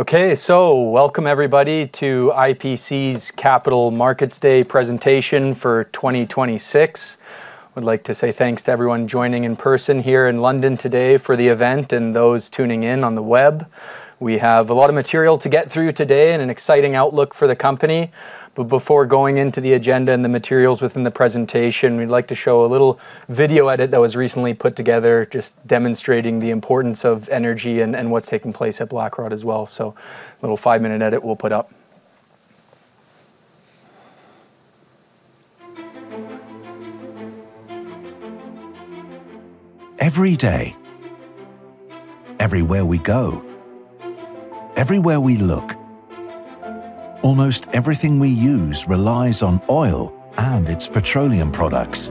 Okay, so welcome everybody to IPC's Capital Markets Day presentation for 2026. I would like to say thanks to everyone joining in person here in London today for the event and those tuning in on the web. We have a lot of material to get through today and an exciting outlook for the company, but before going into the agenda and the materials within the presentation, we'd like to show a little video edit that was recently put together just demonstrating the importance of energy and what's taking place at Blackrod as well. So a little five-minute edit we'll put up. Every day, everywhere we go, everywhere we look, almost everything we use relies on oil and its petroleum products.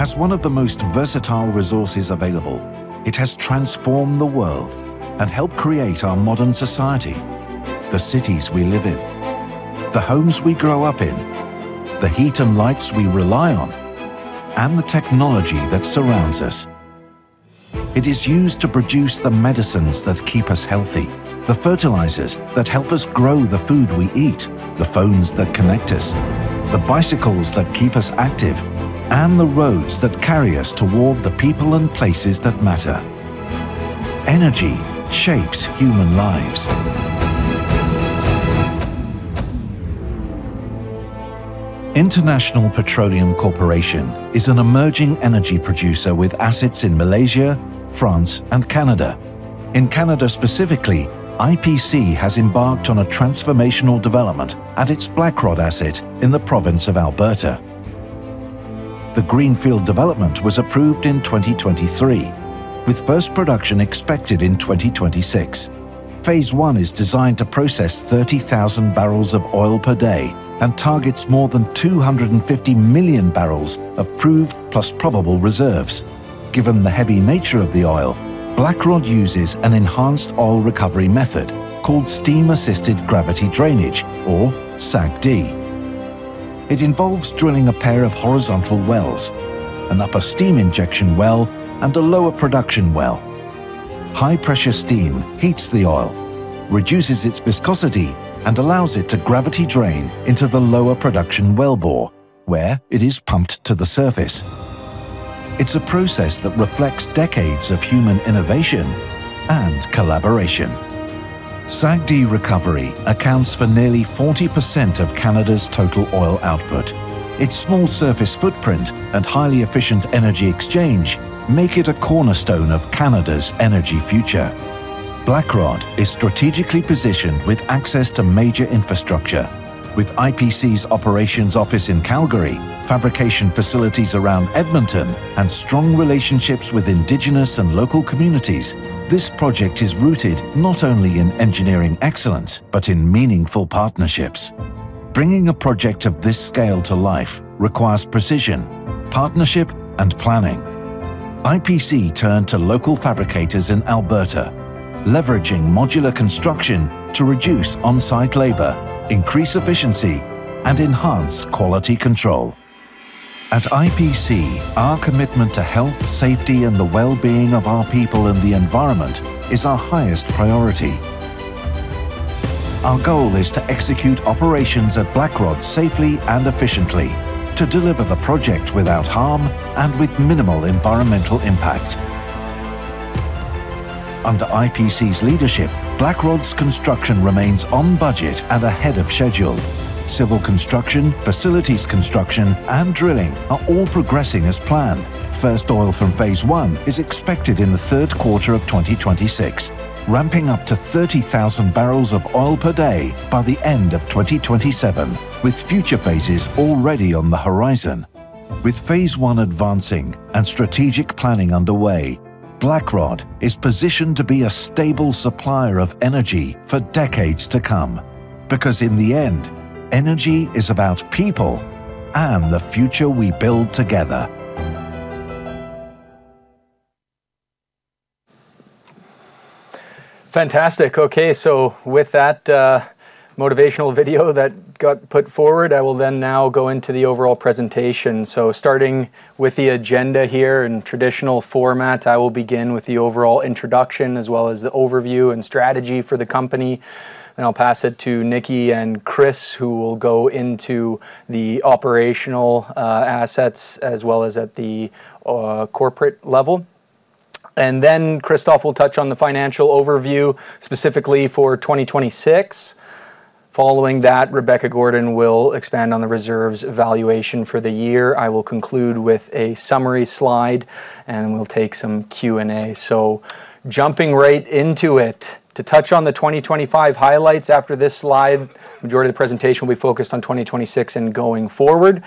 As one of the most versatile resources available, it has transformed the world and helped create our modern society, the cities we live in, the homes we grow up in, the heat and lights we rely on, and the technology that surrounds us. It is used to produce the medicines that keep us healthy, the fertilizers that help us grow the food we eat, the phones that connect us, the bicycles that keep us active, and the roads that carry us toward the people and places that matter. Energy shapes human lives. International Petroleum Corporation is an emerging energy producer with assets in Malaysia, France, and Canada. In Canada specifically, IPC has embarked on a transformational development at its Blackrod asset in the province of Alberta. The Greenfield development was approved in 2023, with first production expected in 2026. Phase 1 is designed to process 30,000 barrels of oil per day and targets more than 250 million barrels of proved plus probable reserves. Given the heavy nature of the oil, Blackrod uses an enhanced oil recovery method called steam-assisted gravity drainage, or SAGD. It involves drilling a pair of horizontal wells, an upper steam injection well, and a lower production well. High-pressure steam heats the oil, reduces its viscosity, and allows it to gravity drain into the lower production well bore where it is pumped to the surface. It's a process that reflects decades of human innovation and collaboration. SAGD recovery accounts for nearly 40% of Canada's total oil output. Its small surface footprint and highly efficient energy exchange make it a cornerstone of Canada's energy future. Blackrod is strategically positioned with access to major infrastructure. With IPC's operations office in Calgary, fabrication facilities around Edmonton, and strong relationships with indigenous and local communities, this project is rooted not only in engineering excellence but in meaningful partnerships. Bringing a project of this scale to life requires precision, partnership, and planning. IPC turned to local fabricators in Alberta, leveraging modular construction to reduce on-site labor, increase efficiency, and enhance quality control. At IPC, our commitment to health, safety, and the well-being of our people and the environment is our highest priority. Our goal is to execute operations at Blackrod safely and efficiently, to deliver the project without harm and with minimal environmental impact. Under IPC's leadership, Blackrod's construction remains on budget and ahead of schedule. Civil construction, facilities construction, and drilling are all progressing as planned. First oil from Phase 1 is expected in the third quarter of 2026, ramping up to 30,000 barrels of oil per day by the end of 2027, with future phases already on the horizon. With Phase 1 advancing and strategic planning underway, Blackrod is positioned to be a stable supplier of energy for decades to come because, in the end, energy is about people and the future we build together. Fantastic. Okay, so with that motivational video that got put forward, I will then now go into the overall presentation. So starting with the agenda here in traditional format, I will begin with the overall introduction as well as the overview and strategy for the company. Then I'll pass it to Nicki and Chris, who will go into the operational assets as well as at the corporate level. And then Christophe will touch on the financial overview specifically for 2026. Following that, Rebecca Gordon will expand on the reserves valuation for the year. I will conclude with a summary slide, and we'll take some Q&A. So jumping right into it, to touch on the 2025 highlights after this slide, the majority of the presentation will be focused on 2026 and going forward.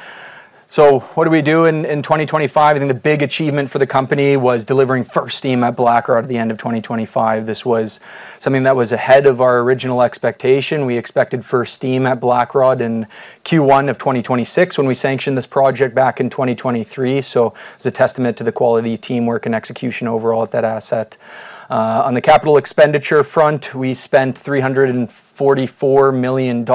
So what do we do in 2025? I think the big achievement for the company was delivering first steam at Blackrod at the end of 2025. This was something that was ahead of our original expectation. We expected first steam at Blackrod in Q1 of 2026 when we sanctioned this project back in 2023. So it's a testament to the quality teamwork and execution overall at that asset. On the capital expenditure front, we spent $344 million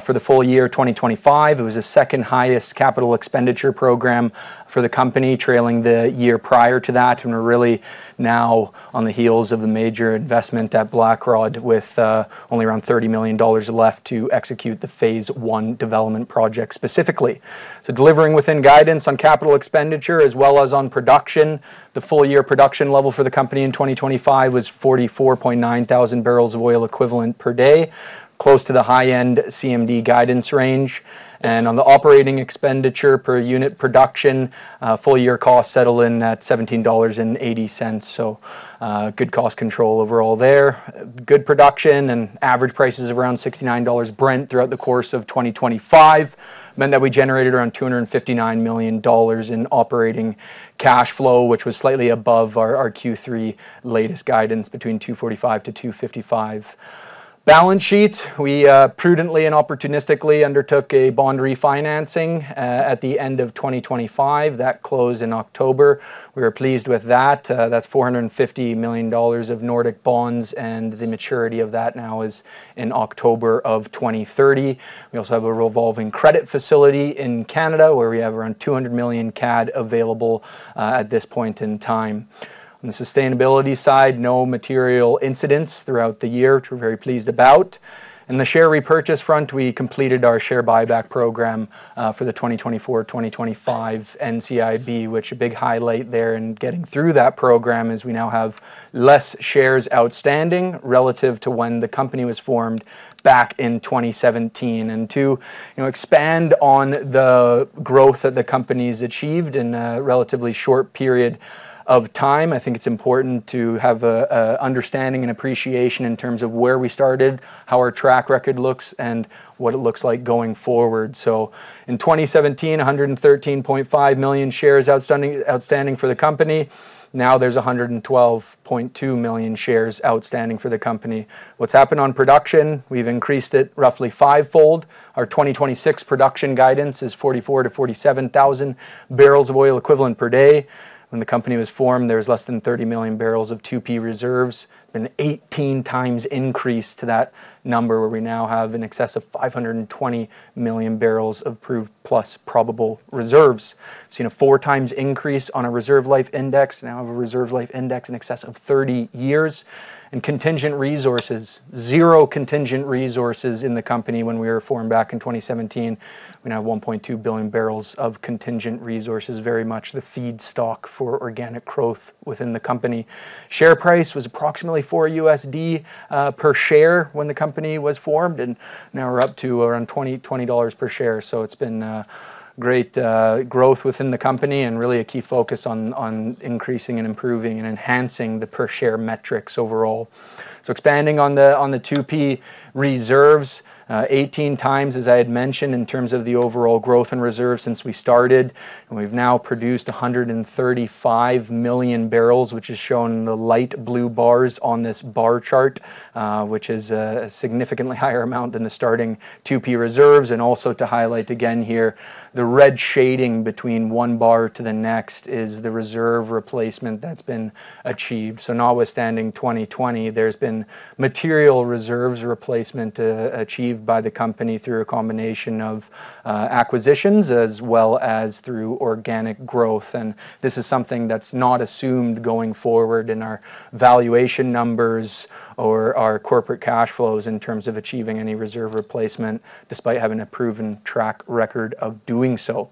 for the full year 2025. It was the second highest capital expenditure program for the company, trailing the year prior to that. We're really now on the heels of the major investment at Blackrod with only around $30 million left to execute the Phase 1 development project specifically. Delivering within guidance on capital expenditure as well as on production, the full-year production level for the company in 2025 was 44.9 thousand barrels of oil equivalent per day, close to the high-end CMD guidance range. On the operating expenditure per unit production, full-year costs settled in at $17.80. Good cost control overall there. Good production and average prices of around $69 Brent throughout the course of 2025 meant that we generated around $259 million in operating cash flow, which was slightly above our Q3 latest guidance between $245-$255. Balance sheet, we prudently and opportunistically undertook a bond refinancing at the end of 2025. That closed in October. We were pleased with that. That's $450 million of Nordic bonds, and the maturity of that now is in October of 2030. We also have a revolving credit facility in Canada where we have around 200 million CAD available at this point in time. On the sustainability side, no material incidents throughout the year, which we're very pleased about. In the share repurchase front, we completed our share buyback program for the 2024-2025 NCIB, which a big highlight there in getting through that program is we now have less shares outstanding relative to when the company was formed back in 2017. To expand on the growth that the company has achieved in a relatively short period of time, I think it's important to have an understanding and appreciation in terms of where we started, how our track record looks, and what it looks like going forward. So in 2017, 113.5 million shares outstanding for the company. Now there's 112.2 million shares outstanding for the company. What's happened on production? We've increased it roughly fivefold. Our 2026 production guidance is 44,000-47,000 barrels of oil equivalent per day. When the company was formed, there was less than 30 million barrels of 2P reserves. It's been an 18x increase to that number where we now have in excess of 520 million barrels of proved plus probable reserves. It's been a 4x increase on a reserve life index. Now we have a reserve life index in excess of 30 years. And contingent resources, zero contingent resources in the company when we were formed back in 2017. We now have 1.2 billion barrels of contingent resources, very much the feedstock for organic growth within the company. Share price was approximately $4 per share when the company was formed, and now we're up to around $20 per share. It's been great growth within the company and really a key focus on increasing and improving and enhancing the per-share metrics overall. Expanding on the 2P reserves, 18x, as I had mentioned, in terms of the overall growth and reserves since we started. We've now produced 135 million barrels, which is shown in the light blue bars on this bar chart, which is a significantly higher amount than the starting 2P reserves. Also to highlight again here, the red shading between one bar to the next is the reserve replacement that's been achieved. Notwithstanding 2020, there's been material reserves replacement achieved by the company through a combination of acquisitions as well as through organic growth. This is something that's not assumed going forward in our valuation numbers or our corporate cash flows in terms of achieving any reserve replacement despite having a proven track record of doing so.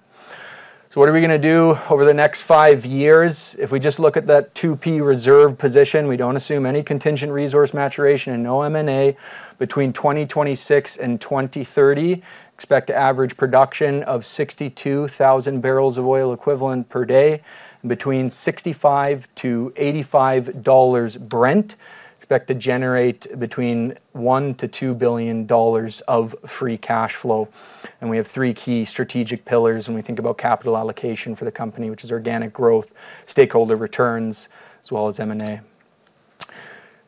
So what are we going to do over the next five years? If we just look at that 2P reserve position, we don't assume any contingent resource maturation and no M&A. Between 2026 and 2030, expect to average production of 62,000 barrels of oil equivalent per day. Between $65-$85 Brent, expect to generate between $1 billion-$2 billion of free cash flow. We have three key strategic pillars when we think about capital allocation for the company, which is organic growth, stakeholder returns, as well as M&A. I'm going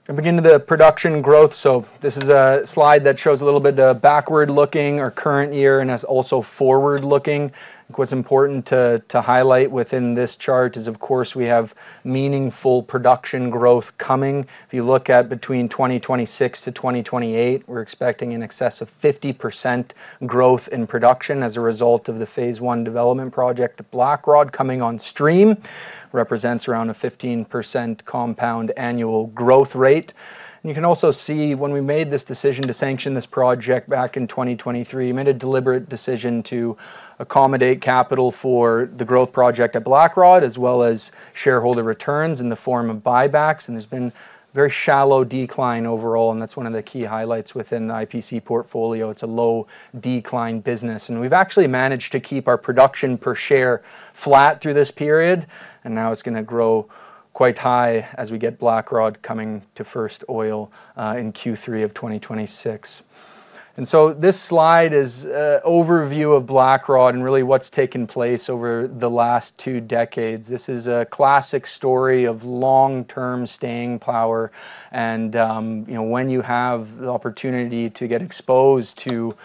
to begin with the production growth. This is a slide that shows a little bit backward-looking, our current year and also forward-looking. What's important to highlight within this chart is, of course, we have meaningful production growth coming. If you look at between 2026-2028, we're expecting in excess of 50% growth in production as a result of the Phase 1 development project at Blackrod coming on stream. Represents around a 15% compound annual growth rate. And you can also see when we made this decision to sanction this project back in 2023, we made a deliberate decision to accommodate capital for the growth project at Blackrod as well as shareholder returns in the form of buybacks. And there's been very shallow decline overall, and that's one of the key highlights within the IPC portfolio. It's a low-decline business. We've actually managed to keep our production per share flat through this period, and now it's going to grow quite high as we get Blackrod coming to first oil in Q3 of 2026. So this slide is an overview of Blackrod and really what's taken place over the last two decades. This is a classic story of long-term staying power. And when you have the opportunity to get exposed to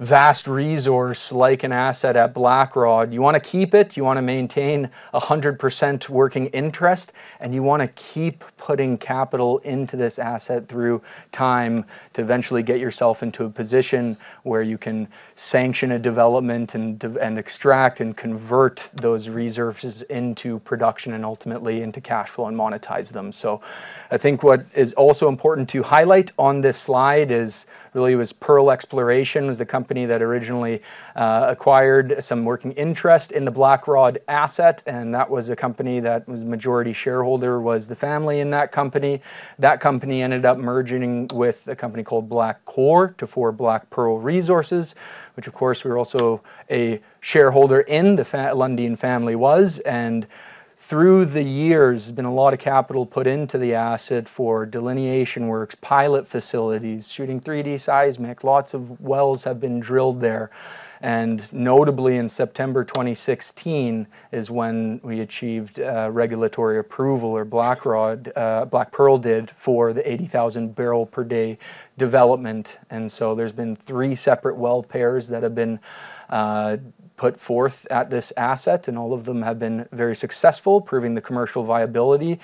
vast resource-like an asset at Blackrod, you want to keep it. You want to maintain 100% working interest, and you want to keep putting capital into this asset through time to eventually get yourself into a position where you can sanction a development and extract and convert those resources into production and ultimately into cash flow and monetize them. So I think what is also important to highlight on this slide is really that Pearl Exploration was the company that originally acquired some working interest in the Blackrod asset. And that was a company that was majority shareholder was the family in that company. That company ended up merging with a company called BlackGold to form Black Pearl Resources, which, of course, we're also a shareholder in the Lundin family was. And through the years, there's been a lot of capital put into the asset for delineation works, pilot facilities, shooting 3D seismic. Lots of wells have been drilled there. And notably, in September 2016 is when we achieved regulatory approval or Black Pearl did for the 80,000-barrel-per-day development. There's been three separate Well Pairs that have been put forth at this asset, and all of them have been very successful, proving the commercial viability.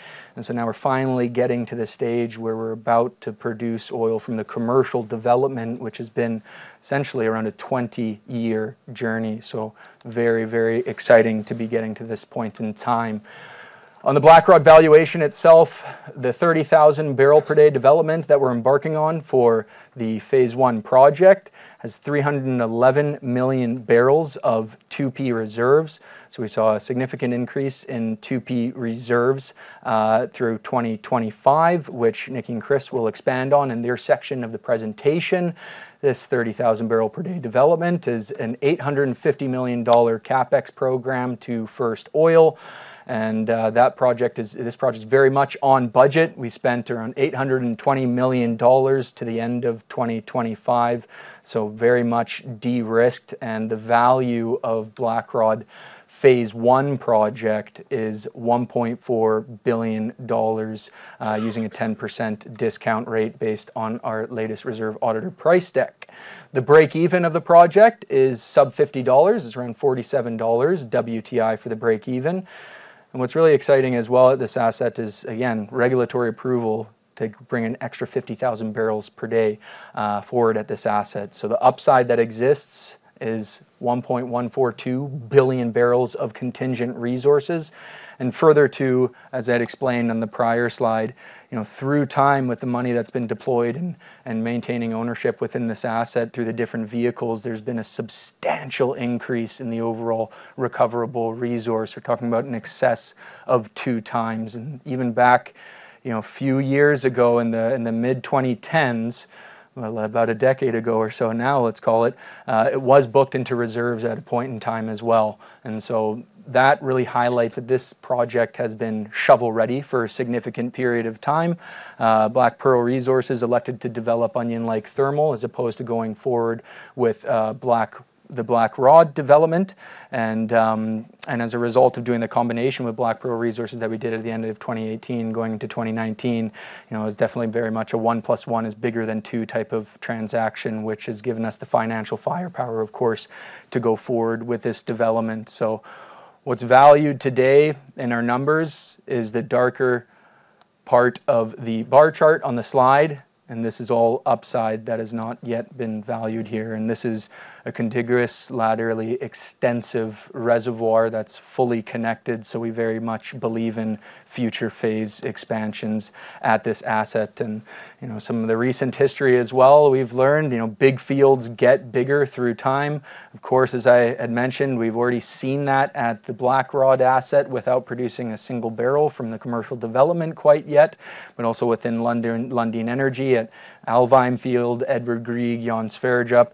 Now we're finally getting to the stage where we're about to produce oil from the commercial development, which has been essentially around a 20-year journey. So very, very exciting to be getting to this point in time. On the Blackrod valuation itself, the 30,000 barrel per day development that we're embarking on for the Phase 1 project has 311 million barrels of 2P reserves. We saw a significant increase in 2P reserves through 2025, which Nicki and Chris will expand on in their section of the presentation. This 30,000 barrel per day development is an $850 million CapEx program to first oil. This project is very much on budget. We spent around $820 million to the end of 2025, so very much de-risked. The value of Blackrod Phase 1 project is $1.4 billion using a 10% discount rate based on our latest reserve auditor price deck. The break-even of the project is sub-$50. It's around $47, WTI for the break-even. What's really exciting as well at this asset is, again, regulatory approval to bring an extra 50,000 barrels per day forward at this asset. The upside that exists is 1.142 billion barrels of contingent resources. Further to, as I had explained on the prior slide, through time with the money that's been deployed and maintaining ownership within this asset through the different vehicles, there's been a substantial increase in the overall recoverable resource. We're talking about an excess of 2x. And even back a few years ago in the mid-2010s, about a decade ago or so now, let's call it, it was booked into reserves at a point in time as well. And so that really highlights that this project has been shovel-ready for a significant period of time. BlackPearl Resources elected to develop Onion Lake Thermal as opposed to going forward with the Blackrod development. And as a result of doing the combination with BlackPearl Resources that we did at the end of 2018, going into 2019, it was definitely very much a one plus one is bigger than two type of transaction, which has given us the financial firepower, of course, to go forward with this development. So what's valued today in our numbers is the darker part of the bar chart on the slide. And this is all upside that has not yet been valued here. This is a contiguous, laterally extensive reservoir that's fully connected. So we very much believe in future phase expansions at this asset. Some of the recent history as well, we've learned big fields get bigger through time. Of course, as I had mentioned, we've already seen that at the Blackrod asset without producing a single barrel from the commercial development quite yet, but also within Lundin Energy at Alvheim Field, Edvard Grieg, Johan Sverdrup.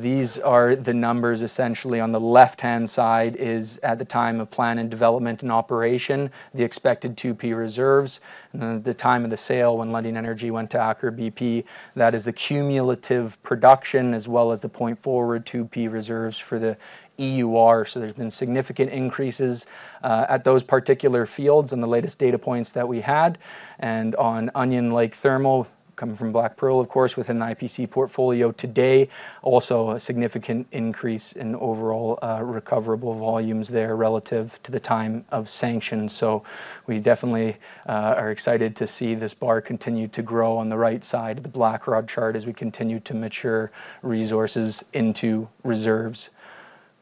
These are the numbers essentially. On the left-hand side is at the time of plan and development and operation, the expected 2P reserves. Then at the time of the sale when Lundin Energy went to Aker BP, that is the cumulative production as well as the point-forward 2P reserves for the EUR. So there's been significant increases at those particular fields in the latest data points that we had. On Onion Lake Thermal, coming from BlackPearl, of course, within the IPC portfolio today, also a significant increase in overall recoverable volumes there relative to the time of sanction. So we definitely are excited to see this bar continue to grow on the right side of the Blackrod chart as we continue to mature resources into reserves.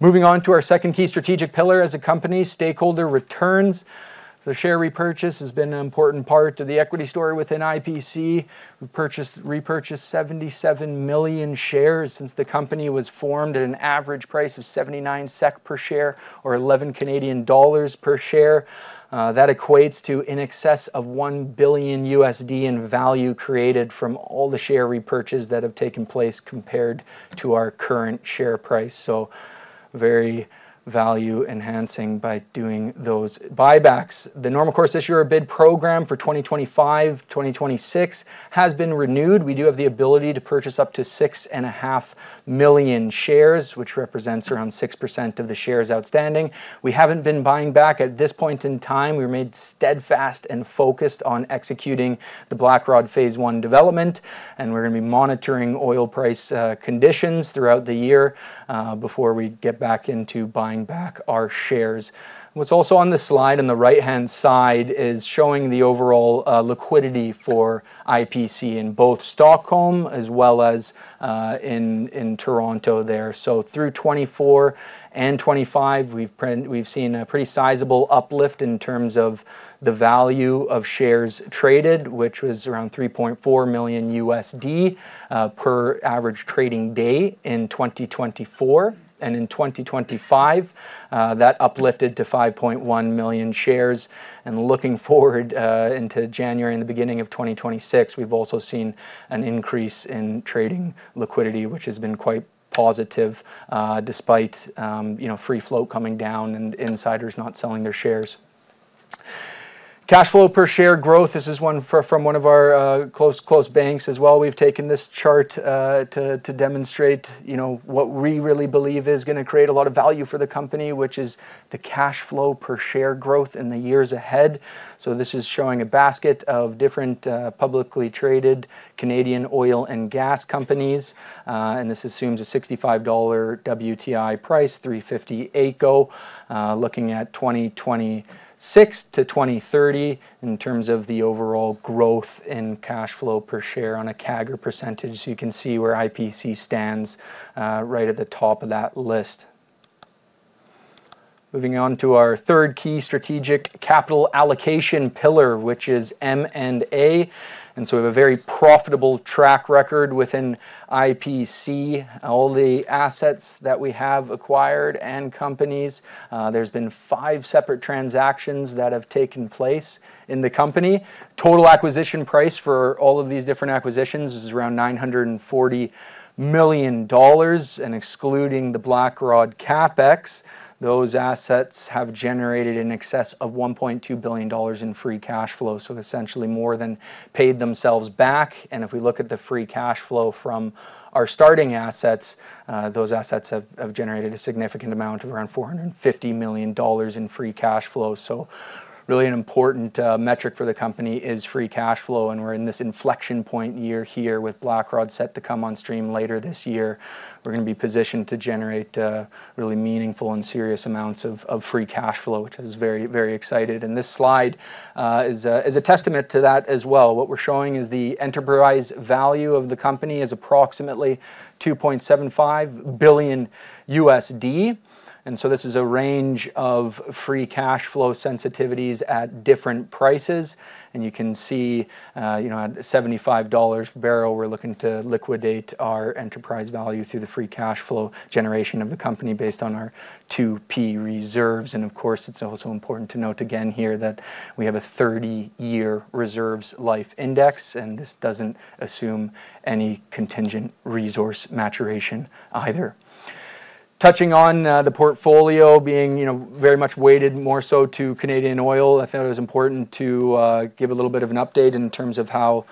Moving on to our second key strategic pillar as a company, stakeholder returns. So share repurchase has been an important part of the equity story within IPC. We purchased, repurchased 77 million shares since the company was formed at an average price of 79 SEK per share or 11 Canadian dollars per share. That equates to in excess of $1 billion in value created from all the share repurchase that have taken place compared to our current share price. So very value-enhancing by doing those buybacks. The Normal Course Issuer Bid program for 2025, 2026 has been renewed. We do have the ability to purchase up to 6.5 million shares, which represents around 6% of the shares outstanding. We haven't been buying back at this point in time. We were made steadfast and focused on executing the Blackrod Phase 1 development. We're going to be monitoring oil price conditions throughout the year before we get back into buying back our shares. What's also on the slide on the right-hand side is showing the overall liquidity for IPC in both Stockholm as well as in Toronto there. So through 2024 and 2025, we've seen a pretty sizable uplift in terms of the value of shares traded, which was around $3.4 million per average trading day in 2024. In 2025, that uplifted to 5.1 million shares. Looking forward into January and the beginning of 2026, we've also seen an increase in trading liquidity, which has been quite positive despite free float coming down and insiders not selling their shares. Cash flow per share growth. This is one from one of our close banks as well. We've taken this chart to demonstrate what we really believe is going to create a lot of value for the company, which is the cash flow per share growth in the years ahead. This is showing a basket of different publicly traded Canadian oil and gas companies. This assumes a $65 WTI price, $3.50 AECO, looking at 2026-2030 in terms of the overall growth in cash flow per share on a CAGR percentage. You can see where IPC stands right at the top of that list. Moving on to our third key strategic capital allocation pillar, which is M&A. And so we have a very profitable track record within IPC, all the assets that we have acquired and companies. There's been five separate transactions that have taken place in the company. Total acquisition price for all of these different acquisitions is around $940 million, excluding the Blackrod CapEx. Those assets have generated in excess of $1.2 billion in free cash flow, so essentially more than paid themselves back. And if we look at the free cash flow from our starting assets, those assets have generated a significant amount of around $450 million in free cash flow. So really an important metric for the company is free cash flow. And we're in this inflection point year here with Blackrod set to come on stream later this year. We're going to be positioned to generate really meaningful and serious amounts of free cash flow, which is very, very exciting. This slide is a testament to that as well. What we're showing is the enterprise value of the company is approximately $2.75 billion. So this is a range of free cash flow sensitivities at different prices. You can see at $75 barrel, we're looking to liquidate our enterprise value through the free cash flow generation of the company based on our 2P Reserves. Of course, it's also important to note again here that we have a 30-year Reserve Life Index, and this doesn't assume any contingent resource maturation either. Touching on the portfolio being very much weighted more so to Canadian oil, I thought it was important to give a little bit of an update in terms of how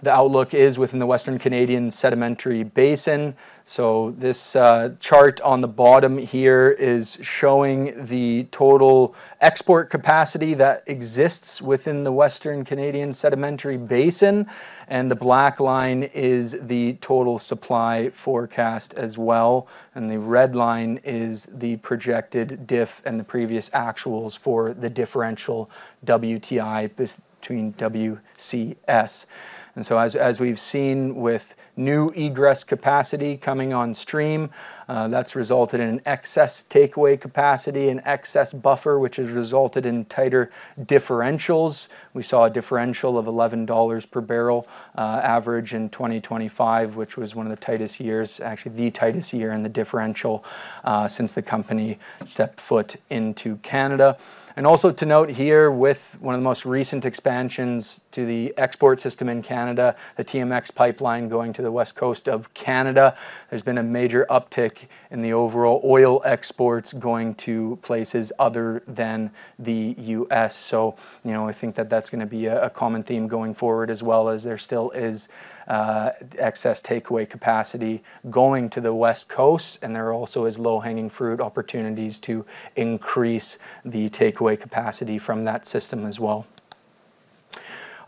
the outlook is within the Western Canadian Sedimentary Basin. So this chart on the bottom here is showing the total export capacity that exists within the Western Canadian Sedimentary Basin. The black line is the total supply forecast as well. The red line is the projected diff and the previous actuals for the differential WTI between WCS. So as we've seen with new egress capacity coming on stream, that's resulted in an excess takeaway capacity, an excess buffer, which has resulted in tighter differentials. We saw a differential of $11 per barrel average in 2025, which was one of the tightest years, actually the tightest year in the differential since the company stepped foot into Canada. Also to note here with one of the most recent expansions to the export system in Canada, the TMX pipeline going to the West Coast of Canada, there's been a major uptick in the overall oil exports going to places other than the U.S. So I think that that's going to be a common theme going forward as well as there still is excess takeaway capacity going to the West Coast. And there also is low-hanging fruit opportunities to increase the takeaway capacity from that system as well.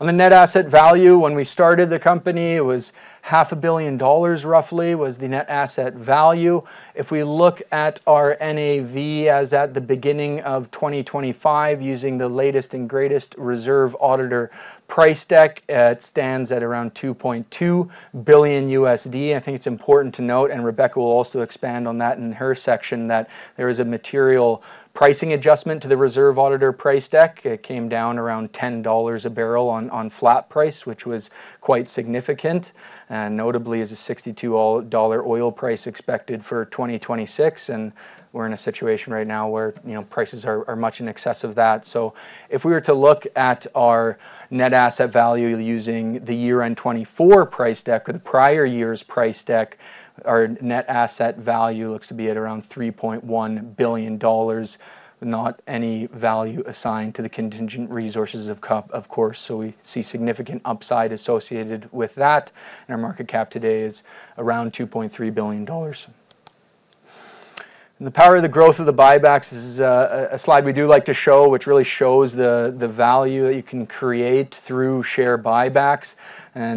On the net asset value, when we started the company, it was $500 million roughly was the net asset value. If we look at our NAV as at the beginning of 2025 using the latest and greatest reserve auditor price deck, it stands at around $2.2 billion. I think it's important to note, and Rebecca will also expand on that in her section, that there is a material pricing adjustment to the reserve auditor price deck. It came down around $10 a barrel on flat price, which was quite significant, and notably is a $62 oil price expected for 2026. We're in a situation right now where prices are much in excess of that. If we were to look at our net asset value using the year-end 2024 price deck or the prior year's price deck, our net asset value looks to be at around $3.1 billion, not any value assigned to the contingent resources of cap, of course. We see significant upside associated with that. Our market cap today is around $2.3 billion. The power of the growth of the buybacks is a slide we do like to show, which really shows the value that you can create through share buybacks.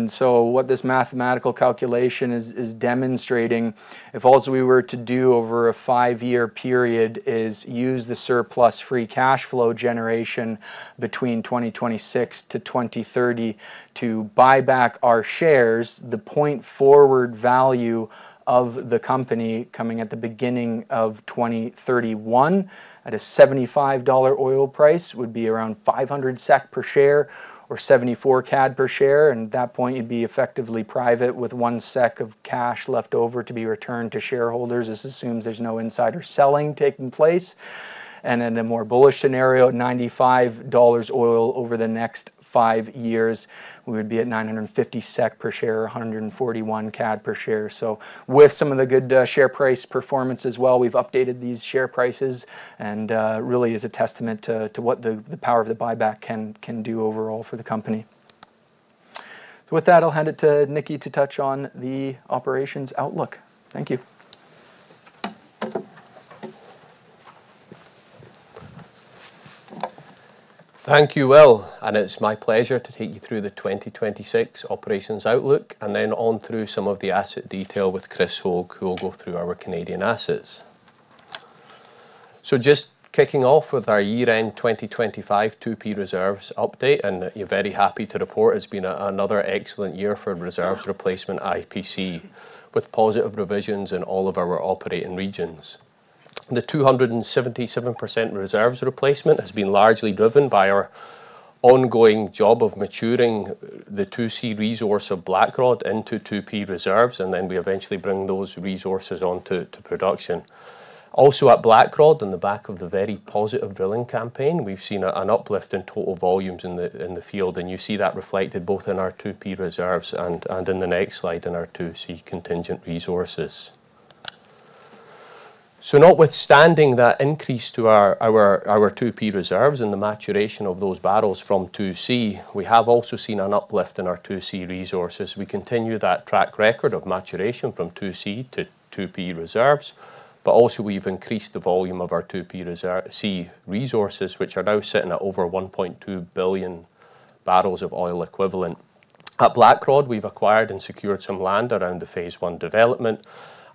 So what this mathematical calculation is demonstrating, if all we were to do over a five-year period is use the surplus free cash flow generation between 2026-2030 to buy back our shares, the point-forward value of the company coming at the beginning of 2031 at a $75 oil price would be around 500 SEK per share or 74 CAD per share. At that point, you'd be effectively private with 1 SEK of cash left over to be returned to shareholders. This assumes there's no insider selling taking place. In a more bullish scenario, at $95 oil over the next five years, we would be at 950 SEK per share, 141 CAD per share. With some of the good share price performance as well, we've updated these share prices and really is a testament to what the power of the buyback can do overall for the company. With that, I'll hand it to Nicki to touch on the operations outlook. Thank you. Thank you, well. It's my pleasure to take you through the 2026 operations outlook and then on through some of the asset detail with Chris Hogue, who will go through our Canadian assets. Just kicking off with our year-end 2025 2P reserves update and you're very happy to report it's been another excellent year for reserves replacement IPC with positive revisions in all of our operating regions. The 277% reserves replacement has been largely driven by our ongoing job of maturing the 2C resource of Blackrod into 2P reserves, and then we eventually bring those resources onto production. Also at Blackrod, in the back of the very positive drilling campaign, we've seen an uplift in total volumes in the field. And you see that reflected both in our 2P reserves and in the next slide in our 2C contingent resources. So notwithstanding that increase to our 2P reserves and the maturation of those barrels from 2C, we have also seen an uplift in our 2C resources. We continue that track record of maturation from 2C-2P reserves. But also we've increased the volume of our 2P resources, which are now sitting at over 1.2 billion barrels of oil equivalent. At Blackrod, we've acquired and secured some land around the Phase 1 development.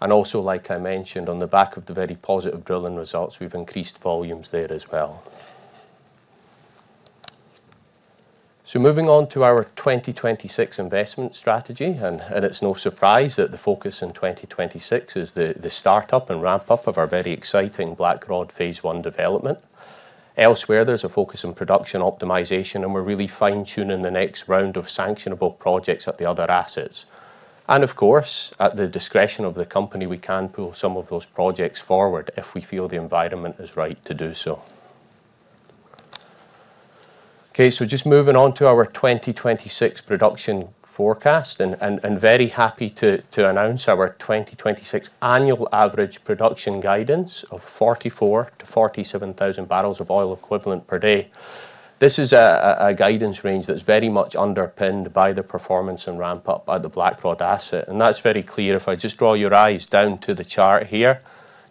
And also, like I mentioned, on the back of the very positive drilling results, we've increased volumes there as well. So moving on to our 2026 investment strategy. It's no surprise that the focus in 2026 is the startup and ramp-up of our very exciting Blackrod Phase 1 development. Elsewhere, there's a focus on production optimization. And we're really fine-tuning the next round of sanctionable projects at the other assets. And of course, at the discretion of the company, we can pull some of those projects forward if we feel the environment is right to do so. OK, so just moving on to our 2026 production forecast and very happy to announce our 2026 annual average production guidance of 44,000-47,000 barrels of oil equivalent per day. This is a guidance range that's very much underpinned by the performance and ramp-up at the Blackrod asset. And that's very clear. If I just draw your eyes down to the chart here,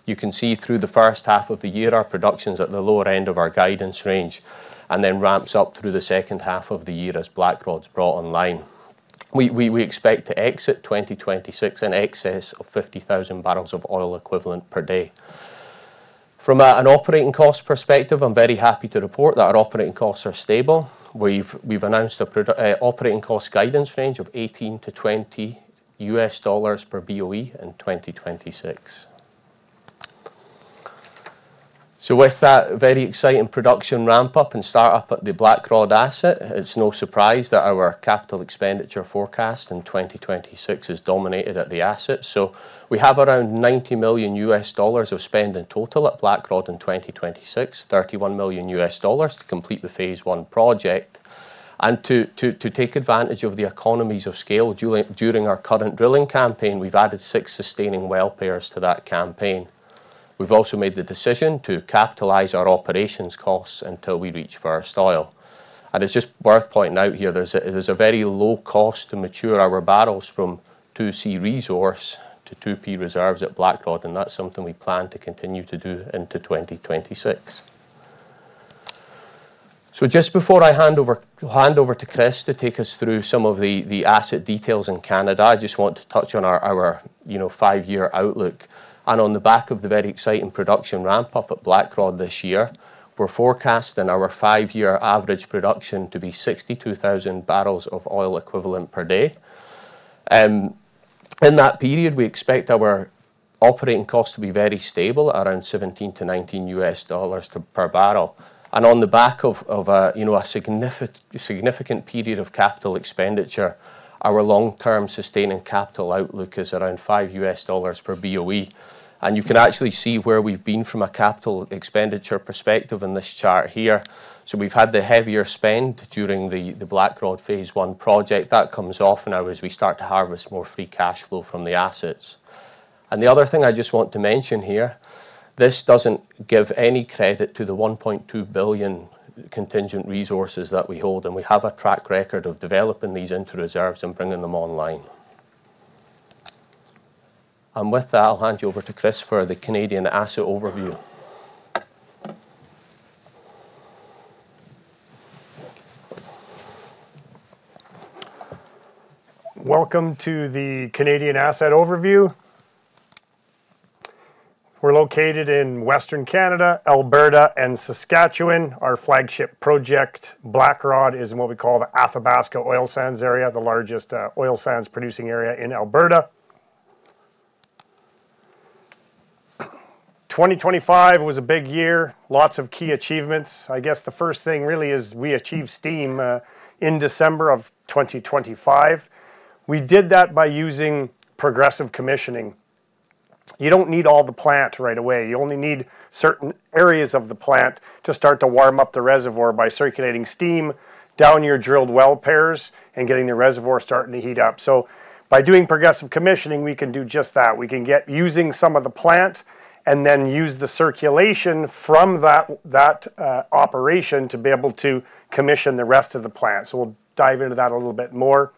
you can see through the first half of the year, our production is at the lower end of our guidance range and then ramps up through the second half of the year as Blackrod's brought online. We expect to exit 2026 in excess of 50,000 barrels of oil equivalent per day. From an operating cost perspective, I'm very happy to report that our operating costs are stable. We've announced an operating cost guidance range of $18-$20 per BOE in 2026. So with that very exciting production ramp-up and startup at the Blackrod asset, it's no surprise that our capital expenditure forecast in 2026 is dominated by the asset. So we have around $90 million of spend in total at Blackrod in 2026, $31 million to complete the Phase 1 project. To take advantage of the economies of scale during our current drilling campaign, we've added six sustaining well-pairs to that campaign. We've also made the decision to capitalize our operations costs until we reach first oil. It's just worth pointing out here, there's a very low cost to mature our barrels from 2C resource to 2P reserves at Blackrod. That's something we plan to continue to do into 2026. Just before I hand over to Chris to take us through some of the asset details in Canada, I just want to touch on our five-year outlook. On the back of the very exciting production ramp-up at Blackrod this year, we're forecasting our five-year average production to be 62,000 barrels of oil equivalent per day. In that period, we expect our operating cost to be very stable, around $17-$19 per barrel. On the back of a significant period of capital expenditure, our long-term sustaining capital outlook is around $5 U.S. per BOE. You can actually see where we've been from a capital expenditure perspective in this chart here. So we've had the heavier spend during the Blackrod Phase 1 project. That comes off now as we start to harvest more free cash flow from the assets. The other thing I just want to mention here, this doesn't give any credit to the 1.2 billion contingent resources that we hold. We have a track record of developing these into reserves and bringing them online. With that, I'll hand you over to Chris for the Canadian asset overview. Welcome to the Canadian asset overview. We're located in Western Canada, Alberta, and Saskatchewan. Our flagship project, Blackrod, is in what we call the Athabasca Oil Sands area, the largest oil sands producing area in Alberta. 2025 was a big year, lots of key achievements. I guess the first thing really is we achieved steam in December of 2025. We did that by using progressive commissioning. You don't need all the plant right away. You only need certain areas of the plant to start to warm up the reservoir by circulating steam down your drilled Well Pairs and getting the reservoir starting to heat up. So by doing progressive commissioning, we can do just that. We can get using some of the plant and then use the circulation from that operation to be able to commission the rest of the plant. So we'll dive into that a little bit more.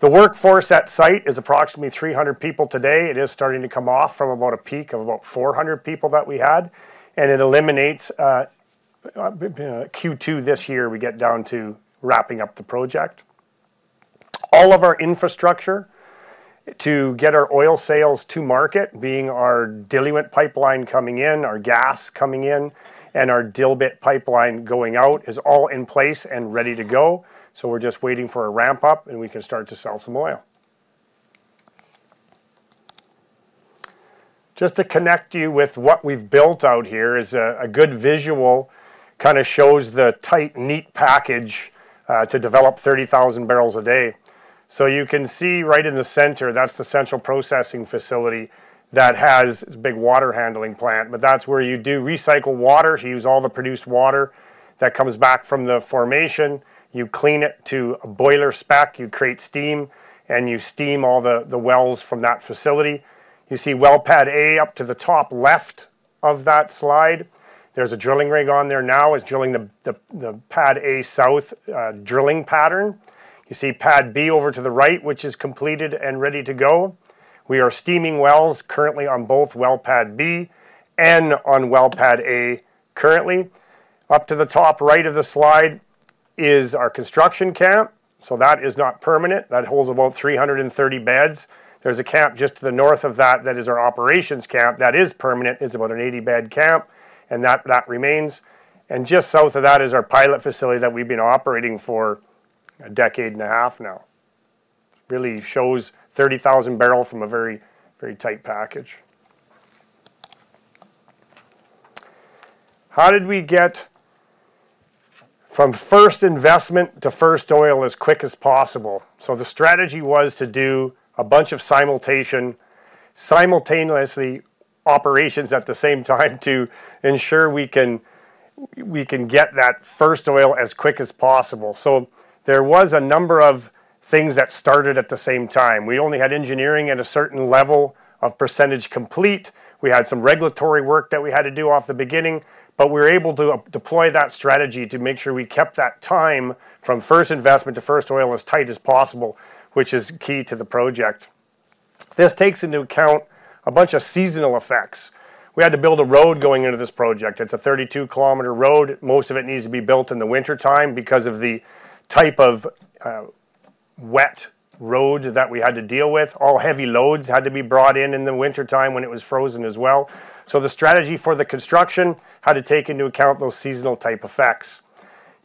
The workforce at site is approximately 300 people today. It is starting to come off from about a peak of about 400 people that we had. And it eliminates Q2 this year, we get down to wrapping up the project. All of our infrastructure to get our oil sales to market, being our diluent pipeline coming in, our gas coming in, and our dilbit pipeline going out, is all in place and ready to go. So we're just waiting for a ramp-up and we can start to sell some oil. Just to connect you with what we've built out here is a good visual kind of shows the tight, neat package to develop 30,000 barrels a day. So you can see right in the centre, that's the central processing facility that has a big water handling plant. But that's where you do recycle water. You use all the produced water that comes back from the formation. You clean it to a boiler spec. You create steam and you steam all the wells from that facility. You see well pad A up to the top left of that slide. There's a drilling rig on there now. It's drilling the pad A south drilling pattern. You see pad B over to the right, which is completed and ready to go. We are steaming wells currently on both well pad B and on well pad A currently. Up to the top right of the slide is our construction camp. So that is not permanent. That holds about 330 beds. There's a camp just to the north of that that is our operations camp. That is permanent. It's about an 80-bed camp. And that remains. Just south of that is our pilot facility that we've been operating for a decade and a half now. Really shows 30,000 barrels from a very, very tight package. How did we get from first investment to first oil as quick as possible? So the strategy was to do a bunch of simultaneous operations at the same time to ensure we can get that first oil as quick as possible. So there was a number of things that started at the same time. We only had engineering at a certain level of percentage complete. We had some regulatory work that we had to do from the beginning. But we were able to deploy that strategy to make sure we kept that time from first investment to first oil as tight as possible, which is key to the project. This takes into account a bunch of seasonal effects. We had to build a road going into this project. It's a 32 km road. Most of it needs to be built in the wintertime because of the type of wet road that we had to deal with. All heavy loads had to be brought in in the wintertime when it was frozen as well. So the strategy for the construction had to take into account those seasonal type effects.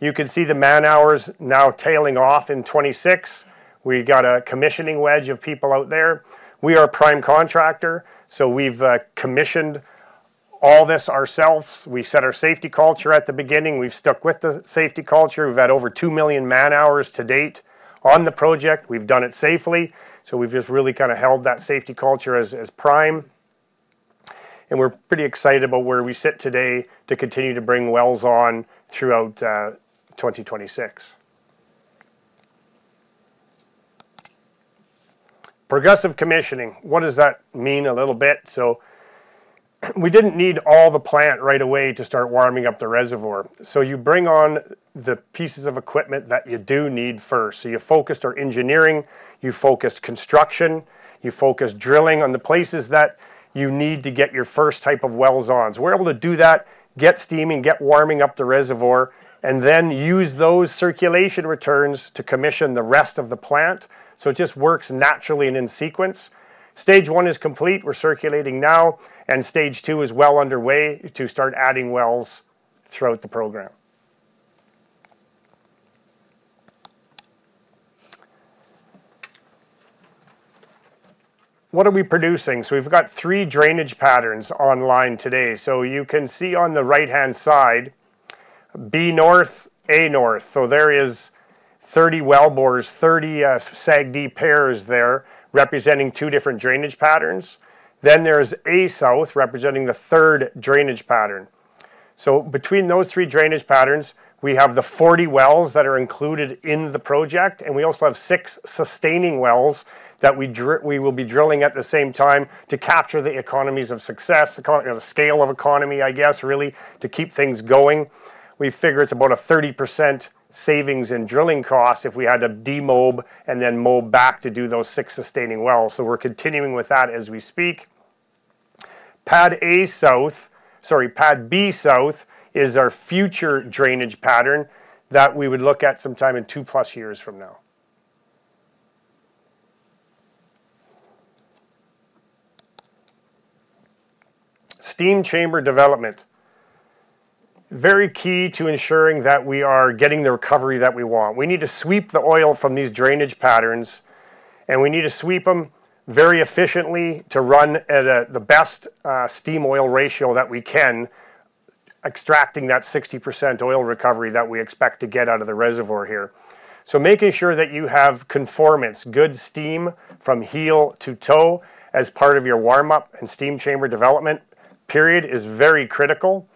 You can see the man-hours now tailing off in 2026. We got a commissioning wedge of people out there. We are a prime contractor. So we've commissioned all this ourselves. We set our safety culture at the beginning. We've stuck with the safety culture. We've had over 2 million man-hours to date on the project. We've done it safely. So we've just really kind of held that safety culture as prime. We're pretty excited about where we sit today to continue to bring wells on throughout 2026. Progressive commissioning. What does that mean a little bit? So we didn't need all the plant right away to start warming up the reservoir. So you bring on the pieces of equipment that you do need first. So you focused our engineering. You focused construction. You focused drilling on the places that you need to get your first type of wells on. So we're able to do that, get steaming, get warming up the reservoir, and then use those circulation returns to commission the rest of the plant. So it just works naturally and in sequence. Stage one is complete. We're circulating now. And stage two is well underway to start adding wells throughout the program. What are we producing? So we've got three drainage patterns online today. So you can see on the right-hand side, B north, A north. So there are 30 well bores, 30 SAGD pairs there representing two different drainage patterns. Then there's A south representing the third drainage pattern. So between those three drainage patterns, we have the 40 wells that are included in the project. And we also have six sustaining wells that we will be drilling at the same time to capture the economies of success, the scale of economy, I guess, really, to keep things going. We figure it's about a 30% savings in drilling costs if we had to demob and then mob back to do those six sustaining wells. So we're continuing with that as we speak. Pad A south, sorry, pad B south is our future drainage pattern that we would look at some time in 2+ years from now. Steam chamber development. Very key to ensuring that we are getting the recovery that we want. We need to sweep the oil from these drainage patterns. We need to sweep them very efficiently to run at the best steam-oil ratio that we can, extracting that 60% oil recovery that we expect to get out of the reservoir here. Making sure that you have conformance, good steam from heel to toe as part of your warm-up and steam chamber development period is very critical.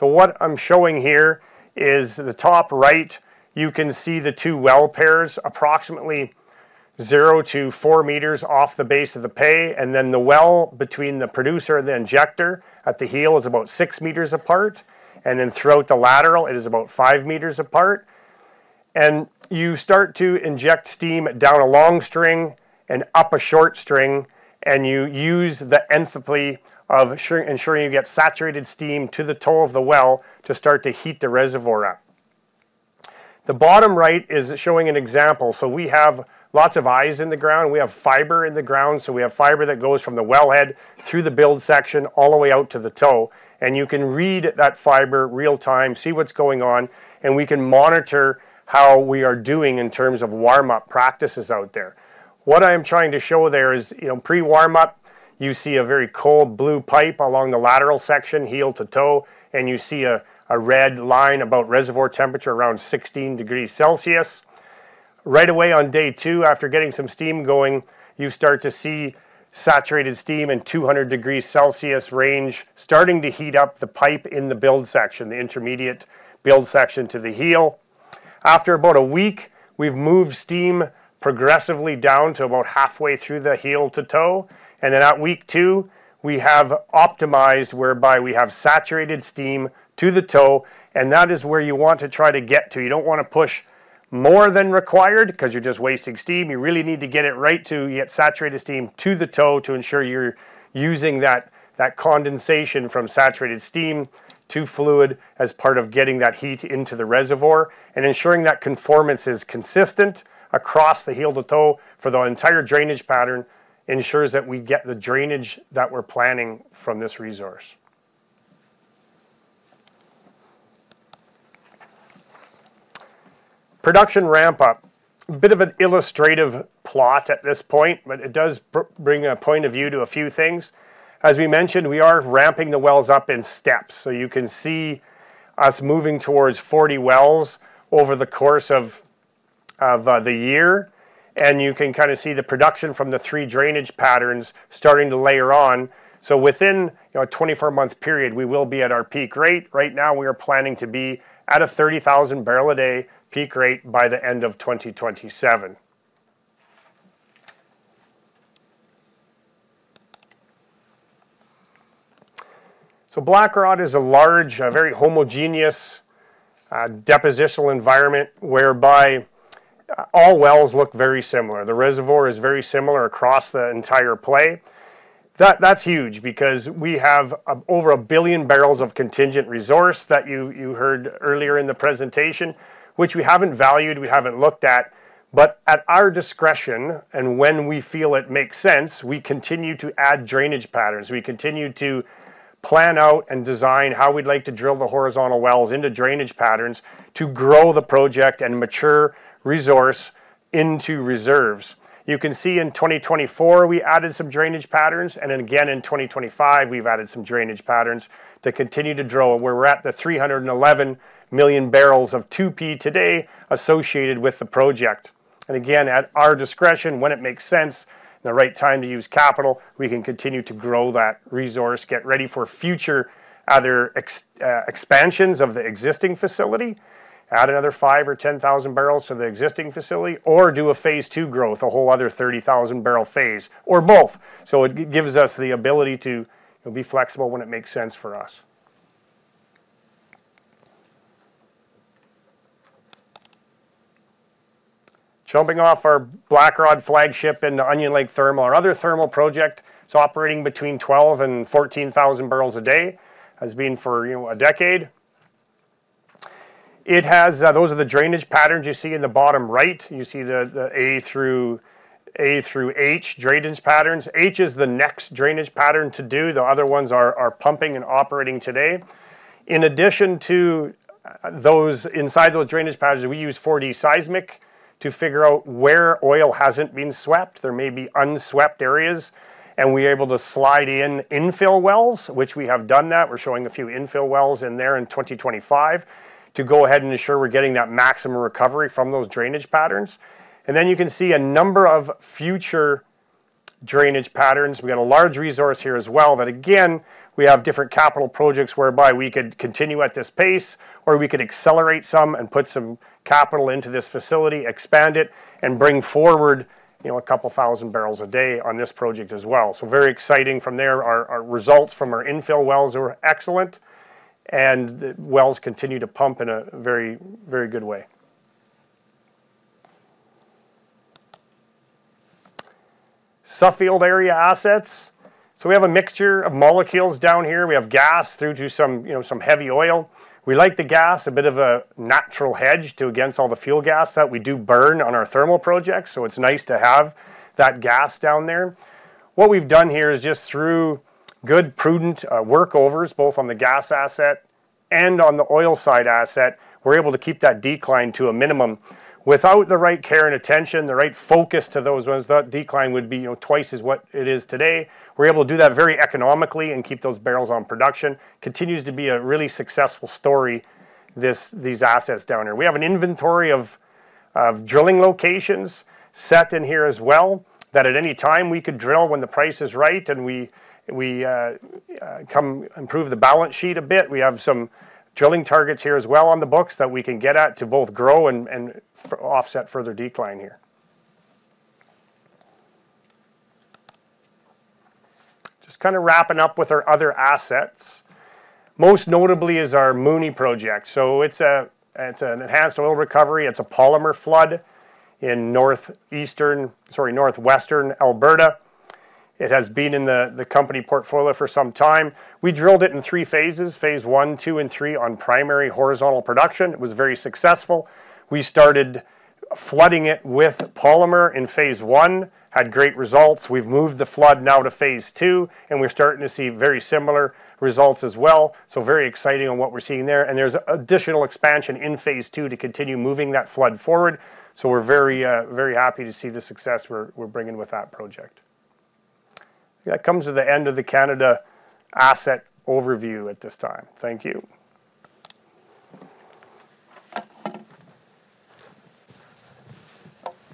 What I'm showing here is the top right, you can see the two Well Pairs approximately 0-4 meters off the base of the pay. Then the well between the producer and the injector at the heel is about 6 meters apart. Then throughout the lateral, it is about 5 meters apart. You start to inject steam down a long string and up a short string. You use the enthalpy of ensuring you get saturated steam to the toe of the well to start to heat the reservoir up. The bottom right is showing an example. So we have lots of eyes in the ground. We have fiber in the ground. So we have fiber that goes from the wellhead through the build section all the way out to the toe. And you can read that fiber real time, see what's going on. And we can monitor how we are doing in terms of warm-up practices out there. What I am trying to show there is pre-warm-up, you see a very cold blue pipe along the lateral section, heel to toe. And you see a red line about reservoir temperature around 16 degrees Celsius. Right away on day two, after getting some steam going, you start to see saturated steam in 200 degrees Celsius range starting to heat up the pipe in the build section, the intermediate build section to the heel. After about a week, we've moved steam progressively down to about halfway through the heel to toe. And then at week two, we have optimized whereby we have saturated steam to the toe. And that is where you want to try to get to. You don't want to push more than required because you're just wasting steam. You really need to get it right to get saturated steam to the toe to ensure you're using that condensation from saturated steam to fluid as part of getting that heat into the reservoir. Ensuring that conformance is consistent across the heel to toe for the entire drainage pattern ensures that we get the drainage that we're planning from this resource. Production ramp-up. A bit of an illustrative plot at this point, but it does bring a point of view to a few things. As we mentioned, we are ramping the wells up in steps. You can see us moving towards 40 wells over the course of the year. You can kind of see the production from the three drainage patterns starting to layer on. Within a 24-month period, we will be at our peak rate. Right now, we are planning to be at a 30,000 barrel a day peak rate by the end of 2027. Blackrod is a large, very homogeneous depositional environment whereby all wells look very similar. The reservoir is very similar across the entire play. That's huge because we have over 1 billion barrels of contingent resource that you heard earlier in the presentation, which we haven't valued, we haven't looked at. But at our discretion and when we feel it makes sense, we continue to add drainage patterns. We continue to plan out and design how we'd like to drill the horizontal wells into drainage patterns to grow the project and mature resource into reserves. You can see in 2024, we added some drainage patterns. And again, in 2025, we've added some drainage patterns to continue to draw. And we're at the 311 million barrels of 2P today associated with the project. And again, at our discretion, when it makes sense, the right time to use capital, we can continue to grow that resource, get ready for future other expansions of the existing facility, add another 5,000 or 10,000 barrels to the existing facility, or do a Phase 2 growth, a whole other 30,000-barrel phase, or both. So it gives us the ability to be flexible when it makes sense for us. Jumping off our Blackrod flagship in the Onion Lake Thermal, our other thermal project. It's operating between 12,000 and 14,000 barrels a day. Has been for a decade. It has those are the drainage patterns you see in the bottom right. You see the A through H drainage patterns. H is the next drainage pattern to do. The other ones are pumping and operating today. In addition to those inside those drainage patterns, we use 4D seismic to figure out where oil hasn't been swept. There may be unswept areas. We're able to slide in infill wells, which we have done that. We're showing a few infill wells in there in 2025 to go ahead and ensure we're getting that maximum recovery from those drainage patterns. Then you can see a number of future drainage patterns. We got a large resource here as well that again, we have different capital projects whereby we could continue at this pace or we could accelerate some and put some capital into this facility, expand it, and bring forward 2,000 barrels a day on this project as well. Very exciting from there. Our results from our infill wells are excellent. The wells continue to pump in a very, very good way. Suffield area assets. So we have a mixture of molecules down here. We have gas through to some heavy oil. We like the gas, a bit of a natural hedge against all the fuel gas that we do burn on our thermal projects. So it's nice to have that gas down there. What we've done here is just through good prudent workovers, both on the gas asset and on the oil side asset, we're able to keep that decline to a minimum without the right care and attention, the right focus to those ones. That decline would be twice as what it is today. We're able to do that very economically and keep those barrels on production. Continues to be a really successful story, these assets down here. We have an inventory of drilling locations set in here as well that at any time we could drill when the price is right and we come improve the balance sheet a bit. We have some drilling targets here as well on the books that we can get at to both grow and offset further decline here. Just kind of wrapping up with our other assets. Most notably is our Mooney project. So it's an enhanced oil recovery. It's a polymer flood in northeastern, sorry, northwestern Alberta. It has been in the company portfolio for some time. We drilled it in three phases: Phase 1, 2, and 3 on primary horizontal production. It was very successful. We started flooding it with polymer in Phase 1, had great results. We've moved the flood now to Phase 2. We're starting to see very similar results as well. So very exciting on what we're seeing there. And there's additional expansion in Phase 2 to continue moving that flood forward. So we're very happy to see the success we're bringing with that project. That comes to the end of the Canada asset overview at this time. Thank you.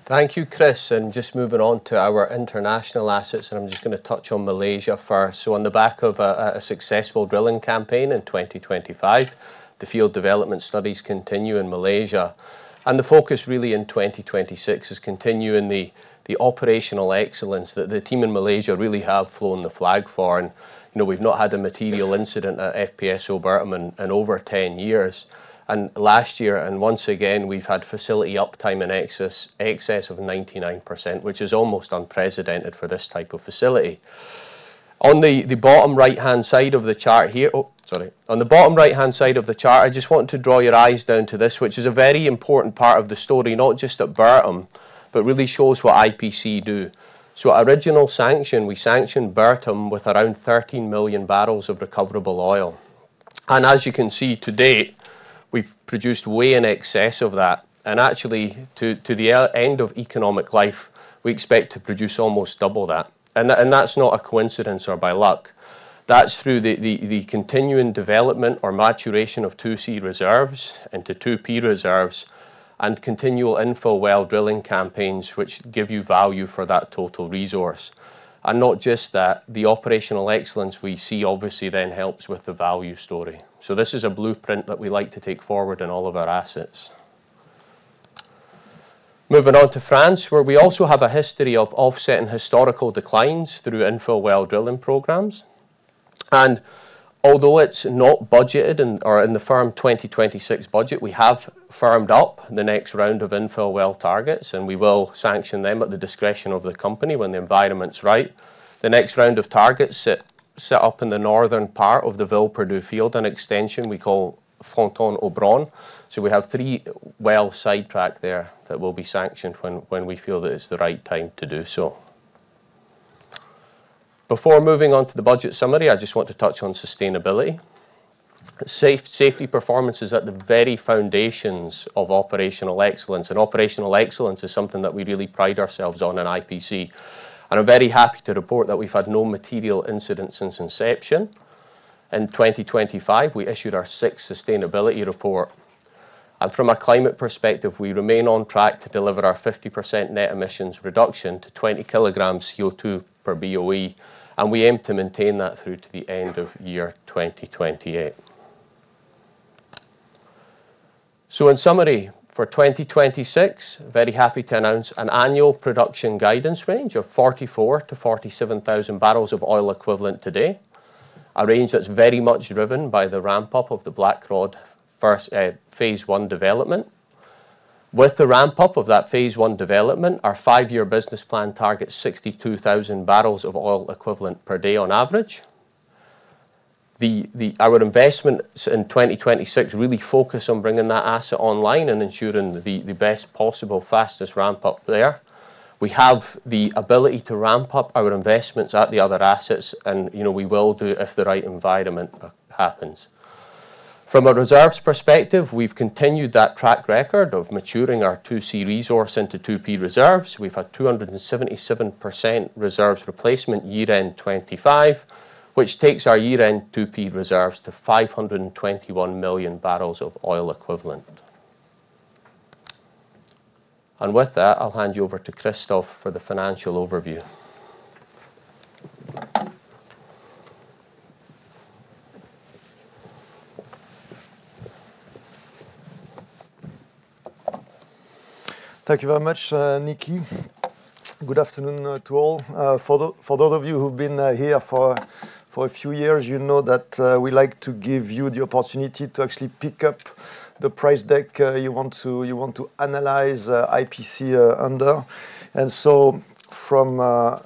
Thank you, Chris. And just moving on to our international assets, and I'm just going to touch on Malaysia first. So on the back of a successful drilling campaign in 2025, the field development studies continue in Malaysia. And the focus really in 2026 is continuing the operational excellence that the team in Malaysia really have flown the flag for. And we've not had a material incident at FPSO Bertam in over 10 years. And last year, and once again, we've had facility uptime in excess of 99%, which is almost unprecedented for this type of facility. On the bottom right-hand side of the chart here, oh, sorry. On the bottom right-hand side of the chart, I just wanted to draw your eyes down to this, which is a very important part of the story, not just at Bertam, but really shows what IPC do. So at original sanction, we sanctioned Bertam with around 13 million barrels of recoverable oil. And as you can see to date, we've produced way in excess of that. And actually, to the end of economic life, we expect to produce almost double that. And that's not a coincidence or by luck. That's through the continuing development or maturation of 2C reserves into 2P reserves and continual infill well drilling campaigns, which give you value for that total resource. And not just that, the operational excellence we see obviously then helps with the value story. So this is a blueprint that we like to take forward in all of our assets. Moving on to France, where we also have a history of offsetting historical declines through infill well drilling programs. Although it's not budgeted or in the firm 2026 budget, we have firmed up the next round of infill well targets. We will sanction them at the discretion of the company when the environment's right. The next round of targets sit up in the northern part of the Villeperdue field and extension we call Fontaine-au-bron. So we have three well sidetracked there that will be sanctioned when we feel that it's the right time to do so. Before moving on to the budget summary, I just want to touch on sustainability. Safety performance is at the very foundations of operational excellence. Operational excellence is something that we really pride ourselves on in IPC. I'm very happy to report that we've had no material incidents since inception. In 2025, we issued our sixth sustainability report. From a climate perspective, we remain on track to deliver our 50% net emissions reduction to 20 kg CO2 per BOE. We aim to maintain that through to the end of year 2028. In summary, for 2026, very happy to announce an annual production guidance range of 44,000-47,000 barrels of oil equivalent today. A range that's very much driven by the ramp-up of the Blackrod Phase 1 development. With the ramp-up of that Phase 1 development, our five-year business plan targets 62,000 barrels of oil equivalent per day on average. Our investments in 2026 really focus on bringing that asset online and ensuring the best possible, fastest ramp-up there. We have the ability to ramp up our investments at the other assets. We will do if the right environment happens. From a reserves perspective, we've continued that track record of maturing our 2C resource into 2P reserves. We've had 277% reserves replacement year-end 2025, which takes our year-end 2P reserves to 521 million barrels of oil equivalent. With that, I'll hand you over to Christophe for the financial overview. Thank you very much, Nicki. Good afternoon to all. For those of you who've been here for a few years, you know that we like to give you the opportunity to actually pick up the price deck you want to analyze IPC under. And so from a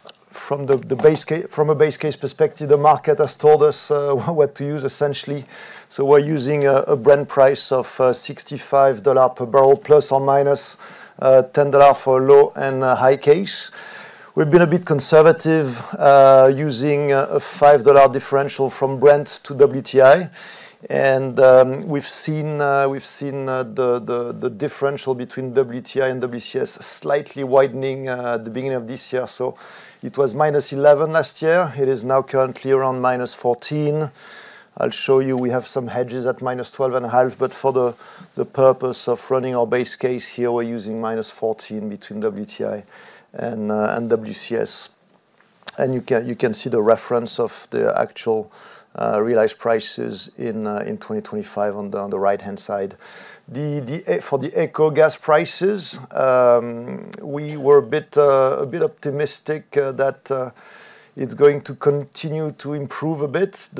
base case perspective, the market has told us what to use, essentially. So we're using a Brent price of $65 per barrel ± $10 for a low and high case. We've been a bit conservative using a $5 differential from Brent to WTI. And we've seen the differential between WTI and WCS slightly widening at the beginning of this year. So it was -11 last year. It is now currently around -14. I'll show you we have some hedges at -12.5. But for the purpose of running our base case here, we're using -14 between WTI and WCS. And you can see the reference of the actual realized prices in 2025 on the right-hand side. For the AECO gas prices, we were a bit optimistic that it's going to continue to improve a bit. In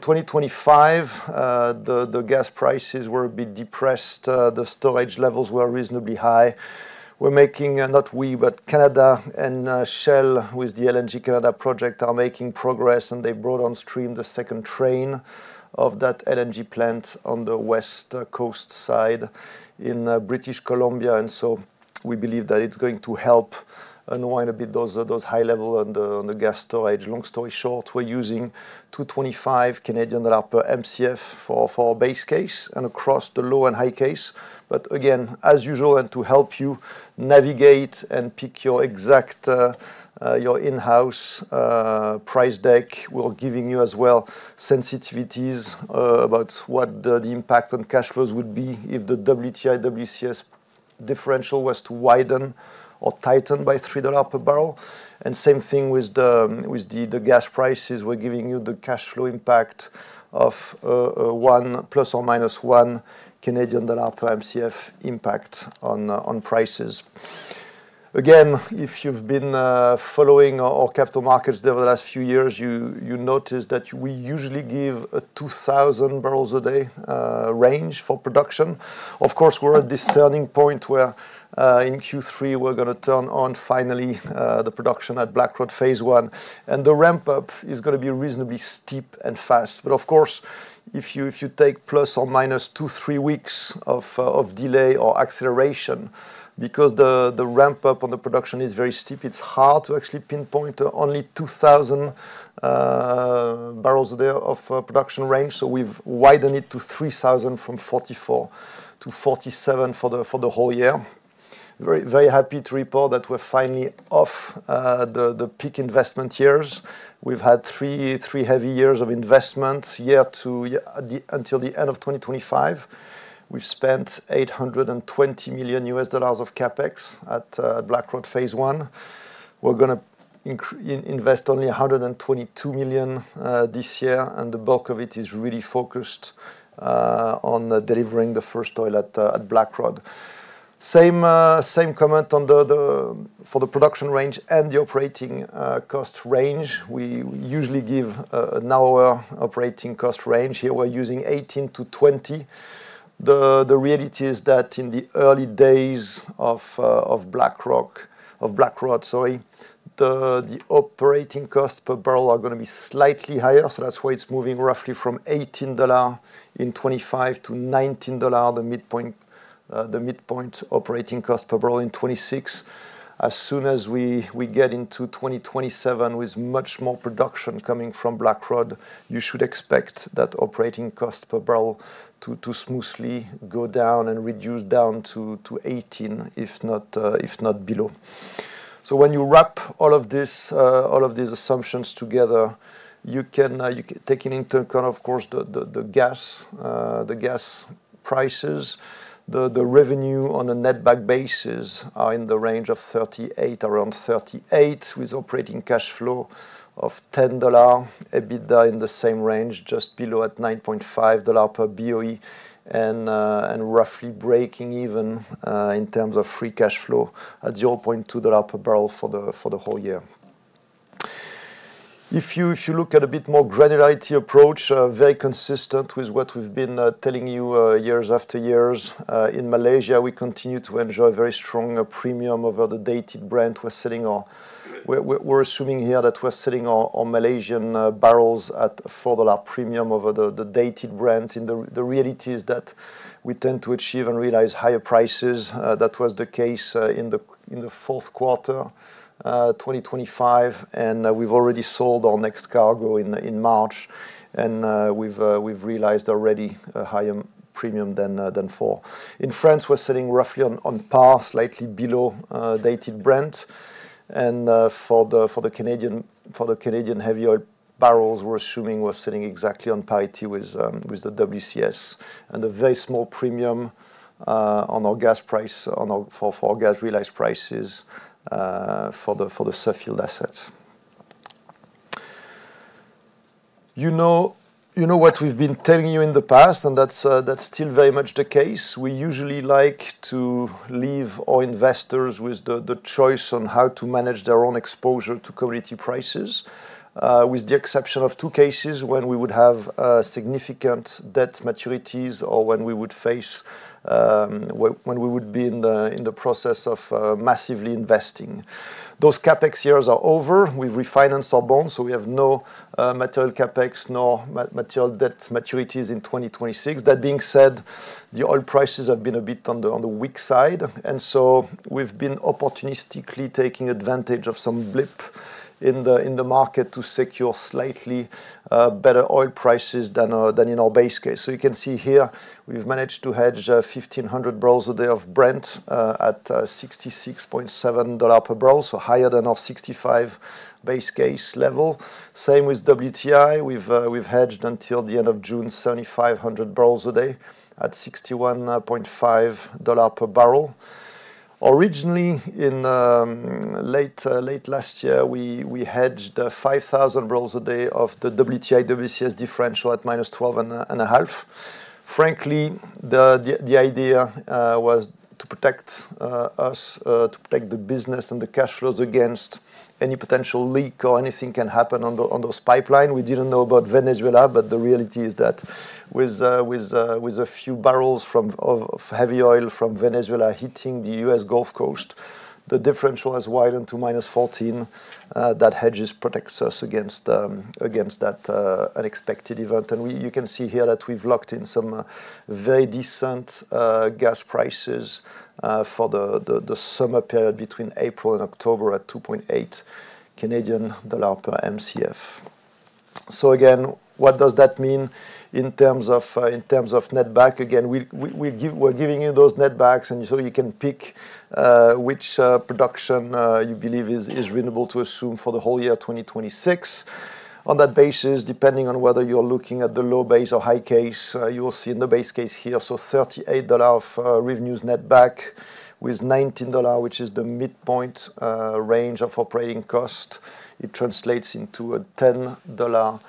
2025, the gas prices were a bit depressed. The storage levels were reasonably high. We're making not we, but Canada and Shell with the LNG Canada project are making progress. And they brought on stream the second train of that LNG plant on the west coast side in British Columbia. And so we believe that it's going to help unwind a bit those high levels on the gas storage. Long story short, we're using 225 Canadian dollar per MCF for our base case and across the low and high case. But again, as usual, and to help you navigate and pick your exact in-house price deck, we're giving you as well sensitivities about what the impact on cash flows would be if the WTI/WCS differential was to widen or tighten by $3 per barrel. And same thing with the gas prices. We're giving you the cash flow impact of ±1 Canadian dollar per MCF impact on prices. Again, if you've been following our capital markets there over the last few years, you notice that we usually give a 2,000 barrels a day range for production. Of course, we're at this turning point where in Q3, we're going to turn on finally the production at Blackrod Phase 1. And the ramp-up is going to be reasonably steep and fast. But of course, if you take ±2 to 3 weeks of delay or acceleration because the ramp-up on the production is very steep, it's hard to actually pinpoint only 2,000 barrels a day of production range. So we've widened it to 3,000 from 44-47 for the whole year. Very happy to report that we're finally off the peak investment years. We've had three heavy years of investment here until the end of 2025. We've spent $820 million of CapEx at Blackrod Phase 1. We're going to invest only $122 million this year. And the bulk of it is really focused on delivering the first oil at Blackrod. Same comment for the production range and the operating cost range. We usually give our operating cost range. Here, we're using $18-$20. The reality is that in the early days of Blackrod, sorry, the operating costs per barrel are going to be slightly higher. So that's why it's moving roughly from $18 in 2025 to $19, the midpoint operating cost per barrel in 2026. As soon as we get into 2027 with much more production coming from Blackrod, you should expect that operating cost per barrel to smoothly go down and reduce down to $18, if not below. So when you wrap all of these assumptions together, taking into account, of course, the gas prices, the revenue on a net back basis are in the range of $38, around $38, with operating cash flow of $10, EBITDA in the same range, just below at $9.5 per BOE, and roughly breaking even in terms of free cash flow at $0.2 per barrel for the whole year. If you look at a bit more granularity approach, very consistent with what we've been telling you years after years, in Malaysia, we continue to enjoy a very strong premium over the dated Brent. We're assuming here that we're selling our Malaysian barrels at $4 premium over the dated Brent. The reality is that we tend to achieve and realize higher prices. That was the case in the fourth quarter 2025. And we've already sold our next cargo in March. And we've realized already a higher premium than four. In France, we're selling roughly on par, slightly below dated Brent. And for the Canadian heavy oil barrels, we're assuming we're selling exactly on parity with the WCS and a very small premium on our gas price, for our gas realized prices for the Suffield assets. You know what we've been telling you in the past, and that's still very much the case. We usually like to leave our investors with the choice on how to manage their own exposure to commodity prices, with the exception of two cases when we would have significant debt maturities or when we would be in the process of massively investing. Those CapEx years are over. We've refinanced our bonds. So we have no material CapEx, no material debt maturities in 2026. That being said, the oil prices have been a bit on the weak side. And so we've been opportunistically taking advantage of some blip in the market to secure slightly better oil prices than in our base case. So you can see here, we've managed to hedge 1,500 barrels a day of Brent at $66.7 per barrel, so higher than our $65 base case level. Same with WTI. We've hedged until the end of June, 7,500 barrels a day at $61.5 per barrel. Originally, in late last year, we hedged 5,000 barrels a day of the WTI/WCS differential at -12.5. Frankly, the idea was to protect us, to protect the business and the cash flows against any potential leak or anything can happen on those pipelines. We didn't know about Venezuela. But the reality is that with a few barrels of heavy oil from Venezuela hitting the U.S. Gulf Coast, the differential has widened to -14. That hedge protects us against that unexpected event. You can see here that we've locked in some very decent gas prices for the summer period between April and October at 2.8 Canadian dollar per MCF. So again, what does that mean in terms of net back? Again, we're giving you those net backs. And so you can pick which production you believe is reasonable to assume for the whole year 2026. On that basis, depending on whether you're looking at the low base or high case, you will see in the base case here, so $38 of revenues net back with $19, which is the midpoint range of operating cost, it translates into a $10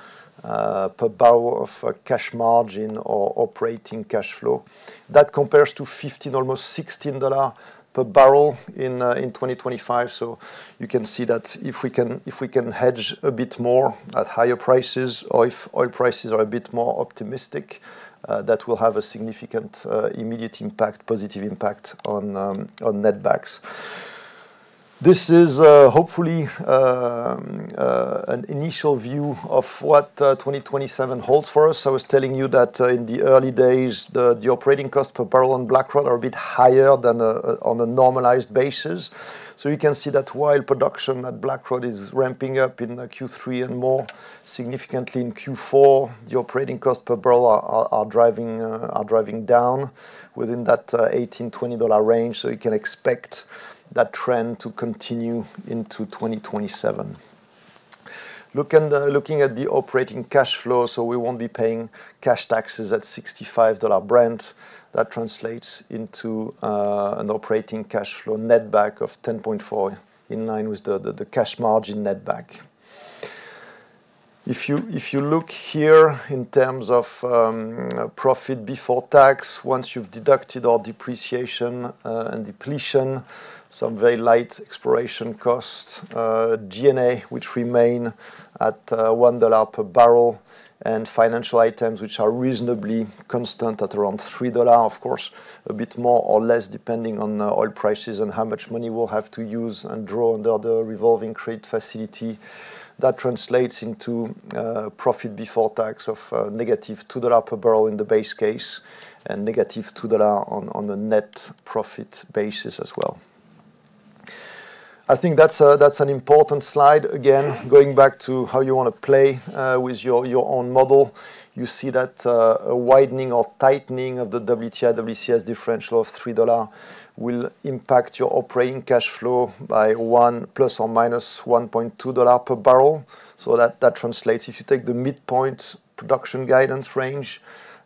per barrel of cash margin or operating cash flow. That compares to $15, almost $16 per barrel in 2025. So you can see that if we can hedge a bit more at higher prices or if oil prices are a bit more optimistic, that will have a significant immediate impact, positive impact on net backs. This is hopefully an initial view of what 2027 holds for us. I was telling you that in the early days, the operating costs per barrel on Blackrod are a bit higher than on a normalized basis. So you can see that while production at Blackrod is ramping up in Q3 and more, significantly in Q4, the operating costs per barrel are driving down within that $18-$20 range. So you can expect that trend to continue into 2027. Looking at the operating cash flow, so we won't be paying cash taxes at $65 Brent. That translates into an operating cash flow net back of $10.4 in line with the cash margin net back. If you look here in terms of profit before tax, once you've deducted our depreciation and depletion, some very light exploration costs, G&A, which remain at $1 per barrel, and financial items, which are reasonably constant at around $3, of course, a bit more or less depending on oil prices and how much money we'll have to use and draw under the revolving credit facility. That translates into profit before tax of -$2 per barrel in the base case and -$2 on a net profit basis as well. I think that's an important slide. Again, going back to how you want to play with your own model, you see that a widening or tightening of the WTI/WCS differential of $3 will impact your operating cash flow by ±$1.2 per barrel. So that translates if you take the midpoint production guidance range,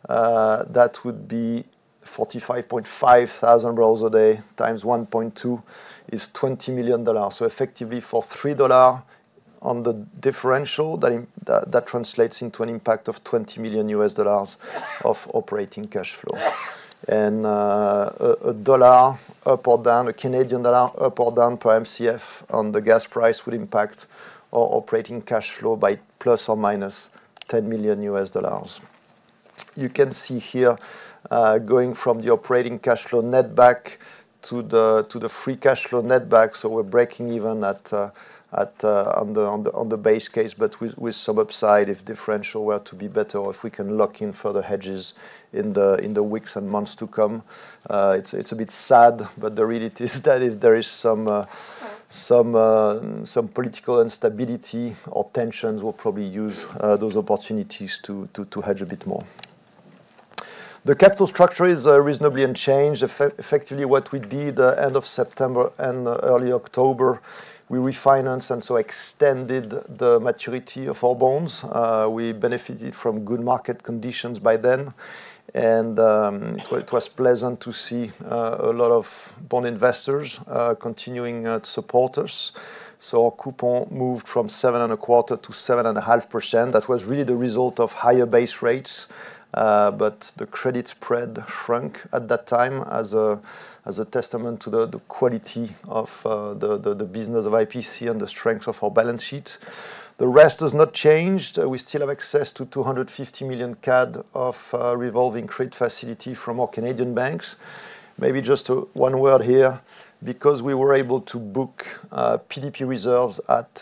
that would be 45,500 barrels a day x1.2 is $20 million. So effectively, for $3 on the differential, that translates into an impact of $20 million of operating cash flow. And a dollar up or down, a Canadian dollar up or down per MCF on the gas price would impact our operating cash flow by ±$10 million. You can see here going from the operating cash flow net back to the free cash flow net back. So we're breaking even on the base case, but with some upside if differential were to be better or if we can lock in further hedges in the weeks and months to come. It's a bit sad. But the reality is that if there is some political instability or tensions, we'll probably use those opportunities to hedge a bit more. The capital structure is reasonably unchanged. Effectively, what we did end of September and early October, we refinanced and so extended the maturity of our bonds. We benefited from good market conditions by then. And it was pleasant to see a lot of bond investors continuing to support us. So our coupon moved from 7.25%-7.5%. That was really the result of higher base rates. But the credit spread shrunk at that time as a testament to the quality of the business of IPC and the strength of our balance sheet. The rest has not changed. We still have access to 250 million CAD revolving credit facility from our Canadian banks. Maybe just one word here. Because we were able to book PDP reserves at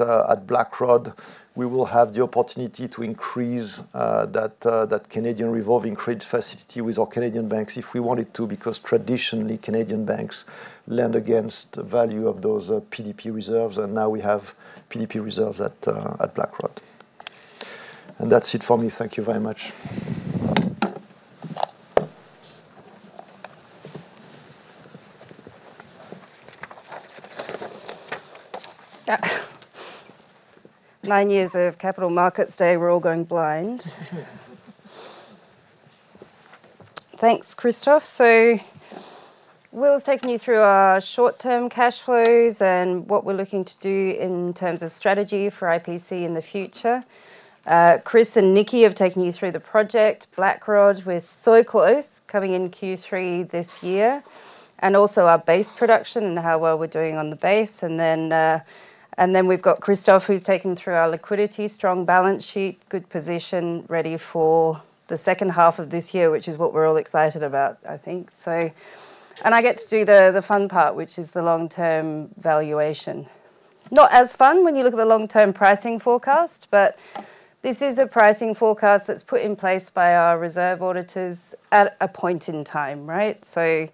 Blackrod, we will have the opportunity to increase that Canadian revolving credit facility with our Canadian banks if we wanted to because traditionally, Canadian banks lend against the value of those PDP reserves. And now we have PDP reserves at Blackrod. And that's it for me. Thank you very much. Nine years of Capital Markets Day. We're all going blind. Thanks, Christophe. So Will's taken you through our short-term cash flows and what we're looking to do in terms of strategy for IPC in the future. Chris and Nicki have taken you through the project, Blackrod. We're so close coming in Q3 this year and also our base production and how well we're doing on the base. And then we've got Christophe, who's taken through our liquidity, strong balance sheet, good position, ready for the second half of this year, which is what we're all excited about, I think. And I get to do the fun part, which is the long-term valuation. Not as fun when you look at the long-term pricing forecast. But this is a pricing forecast that's put in place by our reserve auditors at a point in time, right? So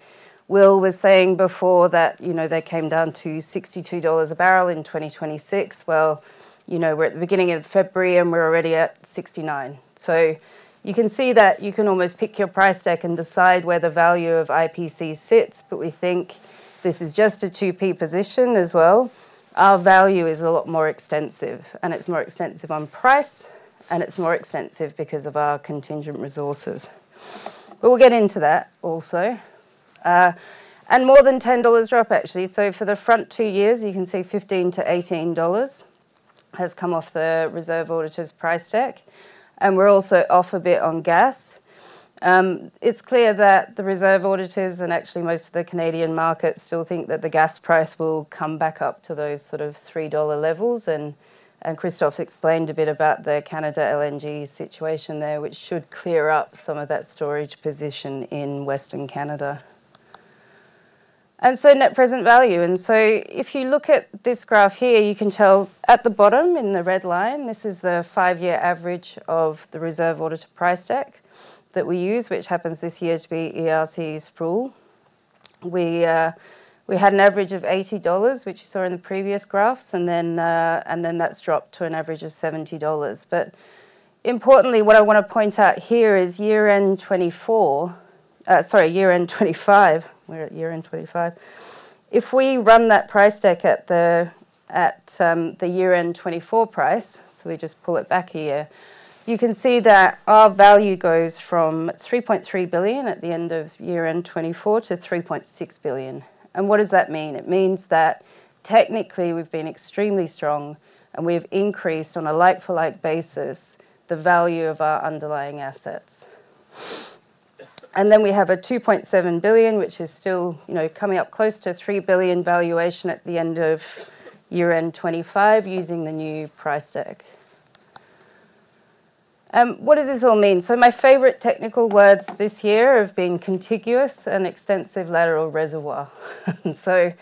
Will was saying before that they came down to $62 a barrel in 2026. Well, we're at the beginning of February, and we're already at $69. So you can see that you can almost pick your price deck and decide where the value of IPC sits. But we think this is just a 2P position as well. Our value is a lot more extensive. And it's more extensive on price. And it's more extensive because of our contingent resources. But we'll get into that also. And more than a $10 drop, actually. So for the first two years, you can see $15-$18 has come off the reserve auditors' price deck. And we're also off a bit on gas. It's clear that the reserve auditors and actually most of the Canadian market still think that the gas price will come back up to those sort of $3 levels. And Christophe explained a bit about the LNG Canada situation there, which should clear up some of that storage position in Western Canada. And so net present value. And so if you look at this graph here, you can tell at the bottom in the red line, this is the five-year average of the reserve auditor price deck that we use, which happens this year to be ERCE's rule. We had an average of $80, which you saw in the previous graphs. And then that's dropped to an average of $70. But importantly, what I want to point out here is year-end 2024 sorry, year-end 2025. We're at year-end 2025. If we run that price deck at the year-end 2024 price so we just pull it back a year, you can see that our value goes from $3.3 billion at the end of year-end 2024 to $3.6 billion. And what does that mean? It means that technically, we've been extremely strong, and we have increased on a like-for-like basis the value of our underlying assets. And then we have a $2.7 billion, which is still coming up close to $3 billion valuation at the end of year-end 2025 using the new price deck. What does this all mean? So my favorite technical words this year have been contiguous and extensive lateral reservoir. So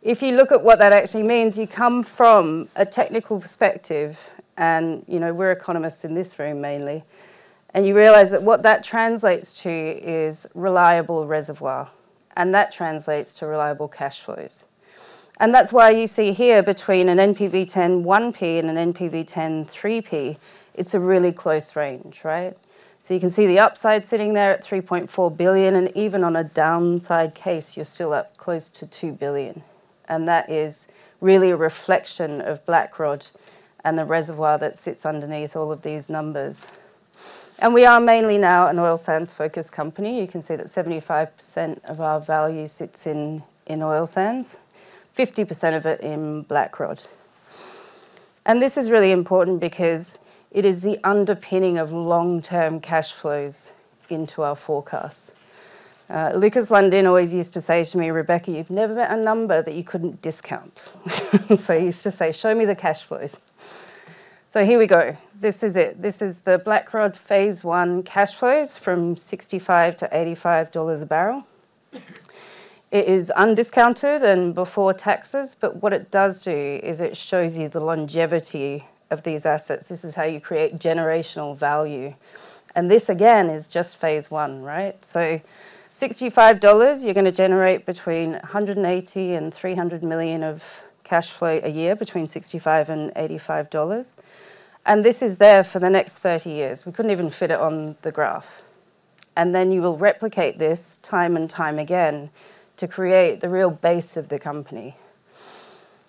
if you look at what that actually means, you come from a technical perspective and we're economists in this room mainly. And you realize that what that translates to is reliable reservoir. And that translates to reliable cash flows. And that's why you see here between an NPV10 1P and an NPV10 3P, it's a really close range, right? So you can see the upside sitting there at $3.4 billion. And even on a downside case, you're still up close to $2 billion. And that is really a reflection of Blackrod and the reservoir that sits underneath all of these numbers. And we are mainly now an oil sands-focused company. You can see that 75% of our value sits in oil sands, 50% of it in Blackrod. This is really important because it is the underpinning of long-term cash flows into our forecasts. Lucas Lundin always used to say to me, "Rebecca, you've never met a number that you couldn't discount." So he used to say, "Show me the cash flows." So here we go. This is it. This is the Blackrod Phase 1 cash flows from $65-$85 a barrel. It is undiscounted and before taxes. But what it does do is it shows you the longevity of these assets. This is how you create generational value. And this, again, is just Phase 1, right? So $65, you're going to generate between $180 million and $300 million of cash flow a year, between $65 and $85. And this is there for the next 30 years. We couldn't even fit it on the graph. Then you will replicate this time and time again to create the real base of the company.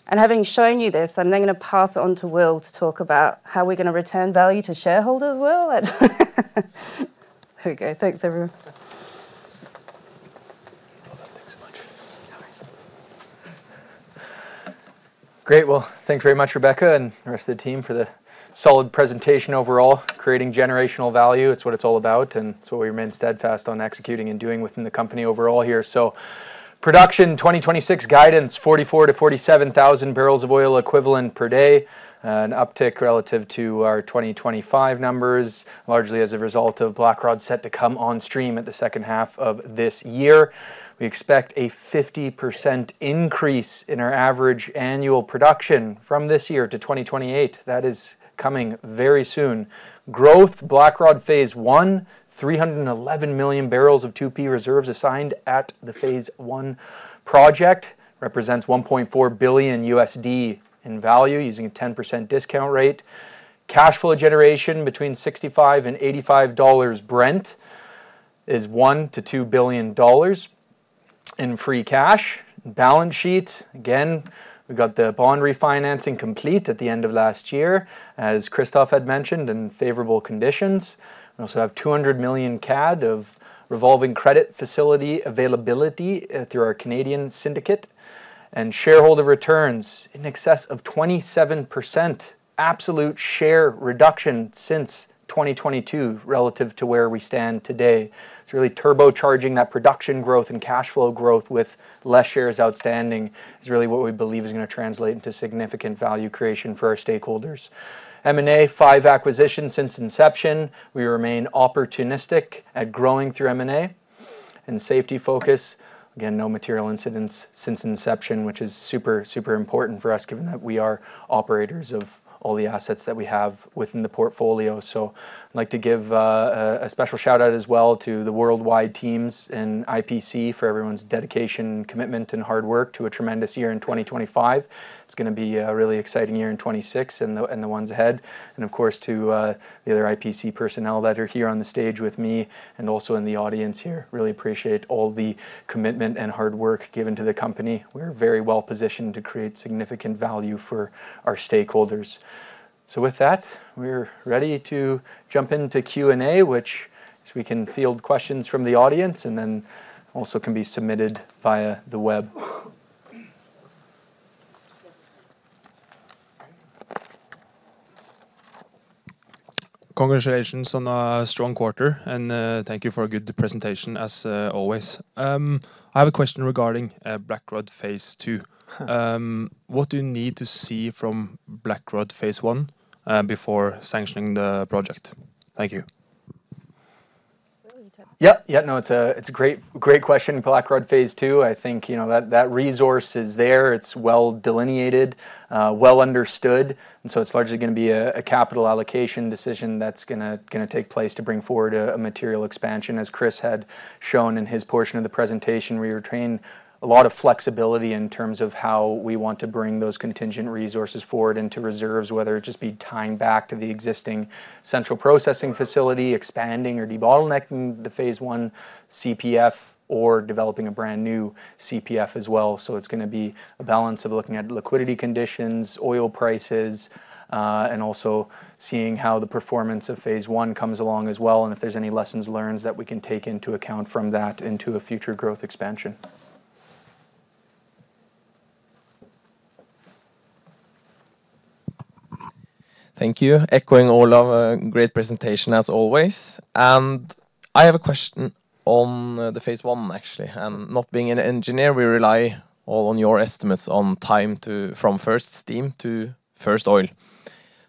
Having shown you this, I'm then going to pass it on to Will to talk about how we're going to return value to shareholders, Will. There we go. Thanks, everyone. Thanks so much. No worries. Great. Well, thanks very much, Rebecca, and the rest of the team for the solid presentation overall, creating generational value. It's what it's all about. And it's what we remain steadfast on executing and doing within the company overall here. So production 2026 guidance, 44,000-47,000 barrels of oil equivalent per day, an uptick relative to our 2025 numbers, largely as a result of Blackrod set to come on stream at the second half of this year. We expect a 50% increase in our average annual production from this year to 2028. That is coming very soon. Growth, Blackrod Phase 1, 311 million barrels of 2P reserves assigned at the Phase 1 project represents $1.4 billion in value using a 10% discount rate. Cash flow generation between $65-$85 Brent is $1 billlion-$2 billion in free cash. Balance sheet, again, we've got the bond refinancing complete at the end of last year, as Christophe had mentioned, in favorable conditions. We also have 200 million CAD of revolving credit facility availability through our Canadian syndicate and shareholder returns in excess of 27% absolute share reduction since 2022 relative to where we stand today. It's really turbocharging that production growth and cash flow growth with less shares outstanding is really what we believe is going to translate into significant value creation for our stakeholders. M&A, five acquisitions since inception. We remain opportunistic at growing through M&A and safety focus. Again, no material incidents since inception, which is super, super important for us given that we are operators of all the assets that we have within the portfolio. So I'd like to give a special shout-out as well to the worldwide teams in IPC for everyone's dedication, commitment, and hard work to a tremendous year in 2025. It's going to be a really exciting year in 2026 and the ones ahead. Of course, to the other IPC personnel that are here on the stage with me and also in the audience here, really appreciate all the commitment and hard work given to the company. We're very well positioned to create significant value for our stakeholders. So with that, we're ready to jump into Q&A, which we can field questions from the audience and then also can be submitted via the web. Congratulations on a strong quarter. Thank you for a good presentation, as always. I have a question regarding Blackrod Phase 2. What do you need to see from Blackrod Phase 1 before sanctioning the project? Thank you. Yeah. Yeah. No, it's a great question. Blackrod Phase 2, I think that resource is there. It's well delineated, well understood. So it's largely going to be a capital allocation decision that's going to take place to bring forward a material expansion. As Chris had shown in his portion of the presentation, we retain a lot of flexibility in terms of how we want to bring those contingent resources forward into reserves, whether it just be tying back to the existing central processing facility, expanding or debottlenecking the Phase 1 CPF, or developing a brand new CPF as well. So it's going to be a balance of looking at liquidity conditions, oil prices, and also seeing how the performance of Phase 1 comes along as well. And if there's any lessons learned that we can take into account from that into a future growth expansion. Thank you, echoing all of a great presentation, as always. I have a question on the Phase 1, actually. Not being an engineer, we rely all on your estimates on time from first steam to first oil.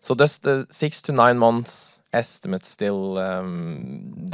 So does the 6-9 months estimate still?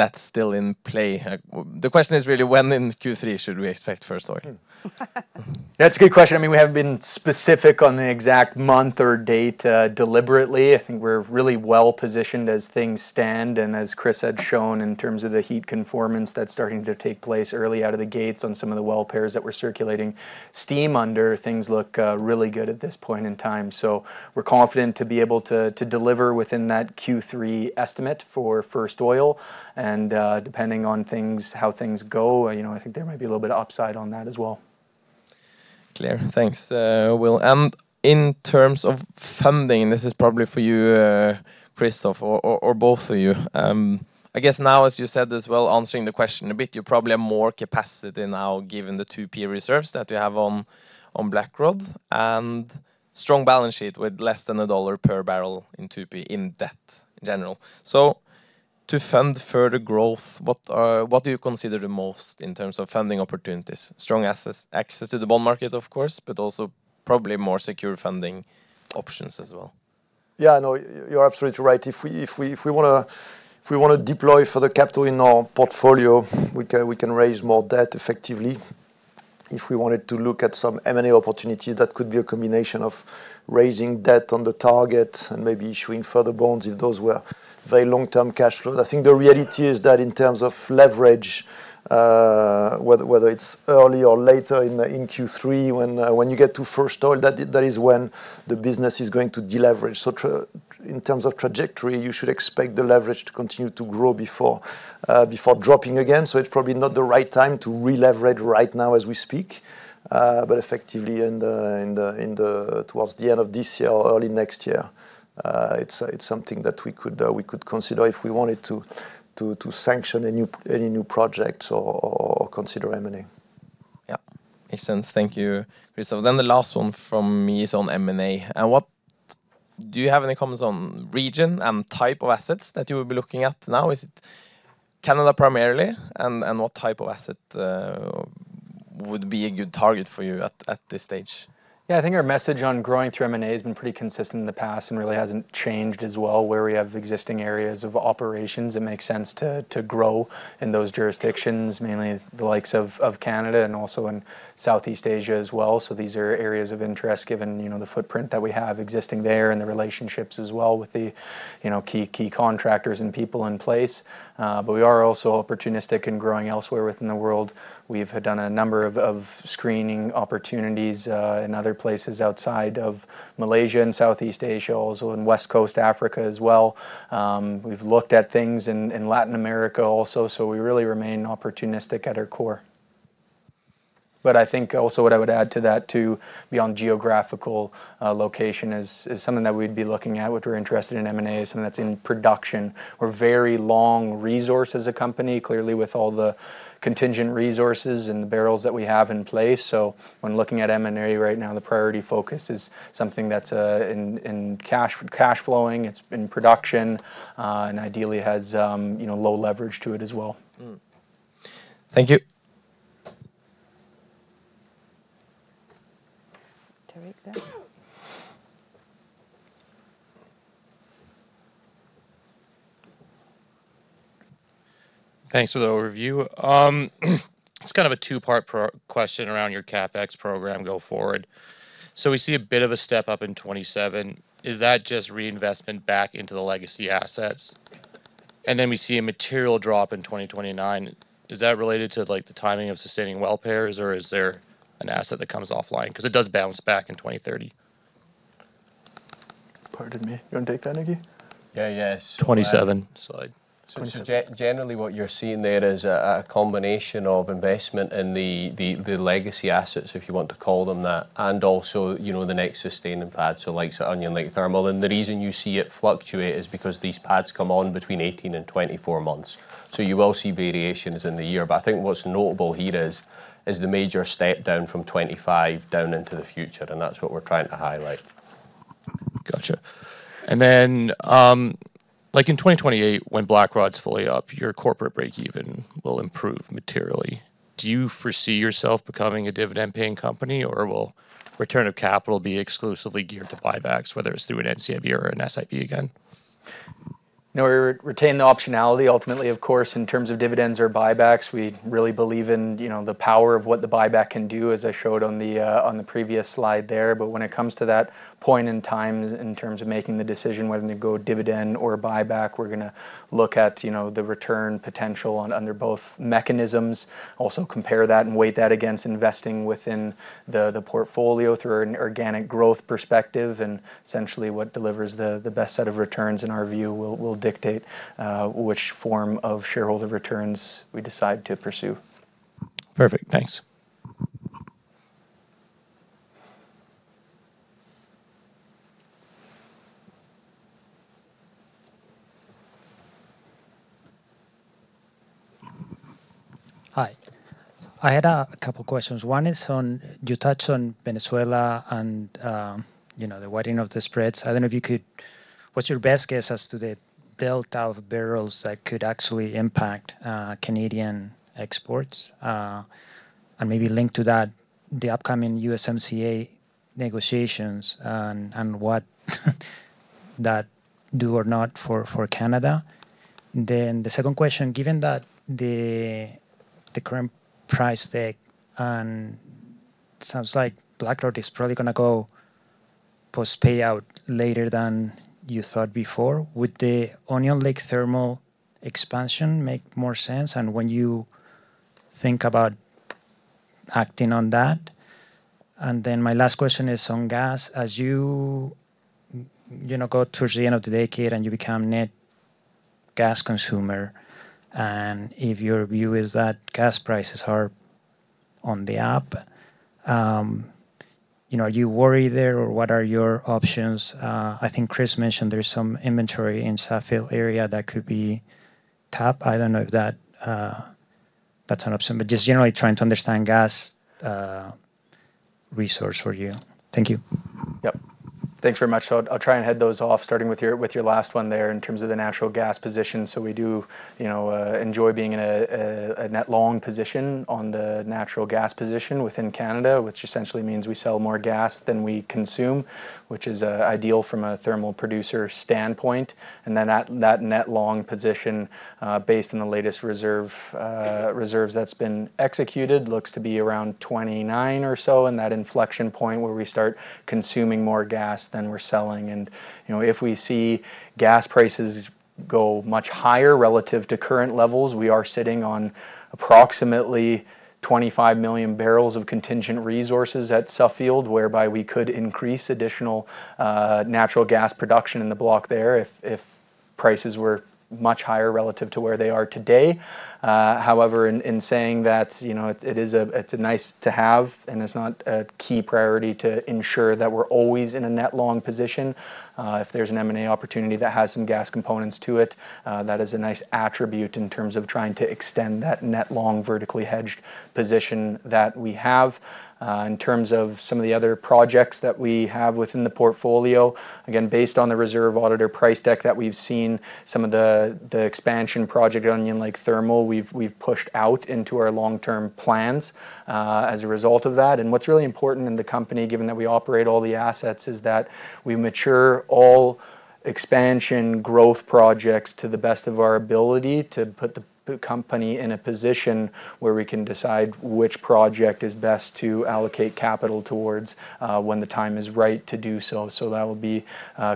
That's still in play? The question is really, when in Q3 should we expect first oil? Yeah, it's a good question. I mean, we haven't been specific on the exact month or date deliberately. I think we're really well positioned as things stand. And as Chris had shown in terms of the heat conformance that's starting to take place early out of the gates on some of the Well Pairs that we're circulating steam under, things look really good at this point in time. So we're confident to be able to deliver within that Q3 estimate for first oil. And depending on how things go, I think there might be a little bit of upside on that as well. Clear. Thanks, Will. And in terms of funding, this is probably for you, Christophe, or both of you. I guess now, as you said as well, answering the question a bit, you probably are more capacity now given the 2P reserves that you have on Blackrod and strong balance sheet with less than $1 per barrel in 2P in debt in general. So to fund further growth, what do you consider the most in terms of funding opportunities? Strong access to the bond market, of course, but also probably more secure funding options as well. Yeah. No, you're absolutely right. If we want to deploy further capital in our portfolio, we can raise more debt effectively. If we wanted to look at some M&A opportunities, that could be a combination of raising debt on the target and maybe issuing further bonds if those were very long-term cash flows. I think the reality is that in terms of leverage, whether it's early or later in Q3, when you get to first oil, that is when the business is going to deleverage. So in terms of trajectory, you should expect the leverage to continue to grow before dropping again. So it's probably not the right time to re-leverage right now as we speak. But effectively, towards the end of this year or early next year, it's something that we could consider if we wanted to sanction any new projects or consider M&A. Yeah. Makes sense. Thank you, Christophe. Then the last one from me is on M&A. And do you have any comments on region and type of assets that you would be looking at now? Is it Canada primarily? And what type of asset would be a good target for you at this stage? Yeah. I think our message on growing through M&A has been pretty consistent in the past and really hasn't changed as well where we have existing areas of operations. It makes sense to grow in those jurisdictions, mainly the likes of Canada and also in Southeast Asia as well. So these are areas of interest given the footprint that we have existing there and the relationships as well with the key contractors and people in place. But we are also opportunistic in growing elsewhere within the world. We've done a number of screening opportunities in other places outside of Malaysia and Southeast Asia, also in West Coast Africa as well. We've looked at things in Latin America also. So we really remain opportunistic at our core. But I think also what I would add to that, too, beyond geographical location, is something that we'd be looking at, which we're interested in M&A, is something that's in production. We're very long resource as a company, clearly with all the contingent resources and the barrels that we have in place. So when looking at M&A right now, the priority focus is something that's in cash flowing. It's in production and ideally has low leverage to it as well. Thank you. Thanks for the overview. It's kind of a two-part question around your CapEx program go forward. So we see a bit of a step up in 2027. Is that just reinvestment back into the legacy assets? And then we see a material drop in 2029. Is that related to the timing of sustaining Well Pairs, or is there an asset that comes offline? Because it does bounce back in 2030. Pardon me. You want to take that, Nicki? Yeah. Yes. 2027 slide. Generally, what you're seeing there is a combination of investment in the legacy assets, if you want to call them that, and also the next sustaining pad, so like an Onion Lake Thermal. The reason you see it fluctuate is because these pads come on between 18-24 months. You will see variations in the year. But I think what's notable here is the major step down from 2025 down into the future. That's what we're trying to highlight. Gotcha. And then in 2028, when Blackrod's fully up, your corporate breakeven will improve materially. Do you foresee yourself becoming a dividend-paying company, or will return of capital be exclusively geared to buybacks, whether it's through an NCIB or an SIB again? No, we retain the optionality ultimately, of course, in terms of dividends or buybacks. We really believe in the power of what the buyback can do, as I showed on the previous slide there. But when it comes to that point in time in terms of making the decision whether to go dividend or buyback, we're going to look at the return potential under both mechanisms, also compare that and weigh that against investing within the portfolio through an organic growth perspective. And essentially, what delivers the best set of returns, in our view, will dictate which form of shareholder returns we decide to pursue. Perfect. Thanks. Hi. I had a couple of questions. One is on, you touched on Venezuela and the widening of the spreads. I don't know if you could. What's your best guess as to the delta of barrels that could actually impact Canadian exports and maybe link to that the upcoming USMCA negotiations and what that do or not for Canada. Then the second question, given that the current price tag and it sounds like Blackrod is probably going to go post-payout later than you thought before, would the Onion Lake Thermal expansion make more sense? And when you think about acting on that? And then my last question is on gas. As you go towards the end of the decade and you become net gas consumer, and if your view is that gas prices are on the up, are you worried there, or what are your options? I think Chris mentioned there's some inventory in Suffield area that could be tapped. I don't know if that's an option, but just generally trying to understand gas resource for you. Thank you. Yep. Thanks very much. So I'll try and head those off, starting with your last one there in terms of the natural gas position. So we do enjoy being in a net long position on the natural gas position within Canada, which essentially means we sell more gas than we consume, which is ideal from a thermal producer standpoint. And then that net long position, based on the latest reserves that's been executed, looks to be around 2029 or so in that inflection point where we start consuming more gas than we're selling. And if we see gas prices go much higher relative to current levels, we are sitting on approximately 25 million barrels of contingent resources at Suffield, whereby we could increase additional natural gas production in the block there if prices were much higher relative to where they are today. However, in saying that, it's a nice-to-have, and it's not a key priority to ensure that we're always in a net long position. If there's an M&A opportunity that has some gas components to it, that is a nice attribute in terms of trying to extend that net long vertically hedged position that we have. In terms of some of the other projects that we have within the portfolio, again, based on the reserve auditor price deck that we've seen, some of the expansion project Onion Lake Thermal we've pushed out into our long-term plans as a result of that. What's really important in the company, given that we operate all the assets, is that we mature all expansion growth projects to the best of our ability to put the company in a position where we can decide which project is best to allocate capital towards when the time is right to do so. So that will be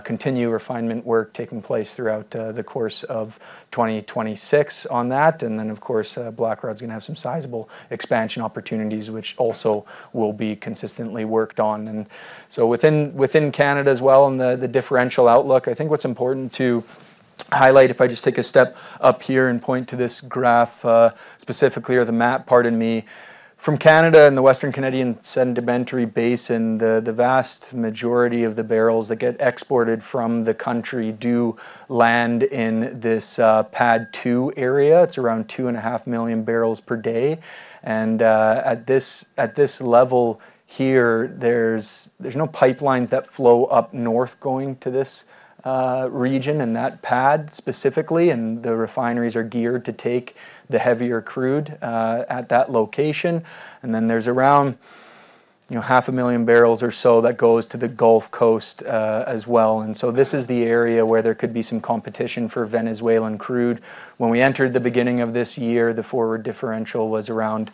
continue refinement work taking place throughout the course of 2026 on that. And then, of course, Blackrod's going to have some sizable expansion opportunities, which also will be consistently worked on. And so within Canada as well and the differential outlook, I think what's important to highlight, if I just take a step up here and point to this graph specifically or the map, pardon me, from Canada and the Western Canadian Sedimentary Basin, the vast majority of the barrels that get exported from the country do land in this PADD 2 area. It's around 2.5 million barrels per day. And at this level here, there's no pipelines that flow up north going to this region and that PADD specifically. And the refineries are geared to take the heavier crude at that location. And then there's around 0.5 million barrels or so that goes to the Gulf Coast as well. And so this is the area where there could be some competition for Venezuelan crude. When we entered the beginning of this year, the forward differential was around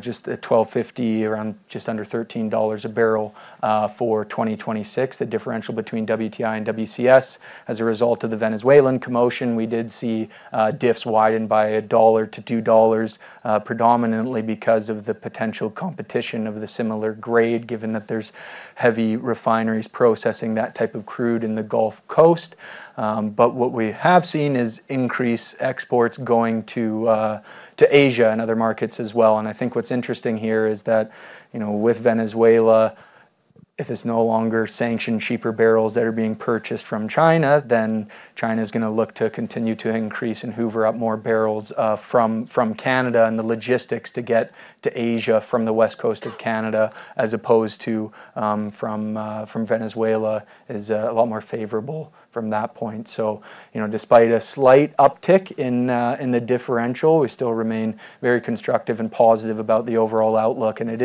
just $12.50, around just under $13 a barrel for 2026. The differential between WTI and WCS, as a result of the Venezuelan commotion, we did see dips widened by $1-$2, predominantly because of the potential competition of the similar grade, given that there's heavy refineries processing that type of crude in the Gulf Coast. But what we have seen is increased exports going to Asia and other markets as well. And I think what's interesting here is that with Venezuela, if it's no longer sanctioned cheaper barrels that are being purchased from China, then China is going to look to continue to increase and hoover up more barrels from Canada. The logistics to get to Asia from the West Coast of Canada, as opposed to from Venezuela, is a lot more favorable from that point. So despite a slight uptick in the differential, we still remain very constructive and positive about the overall outlook. And it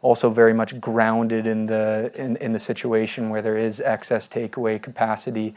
is also very much grounded in the situation where there is excess takeaway capacity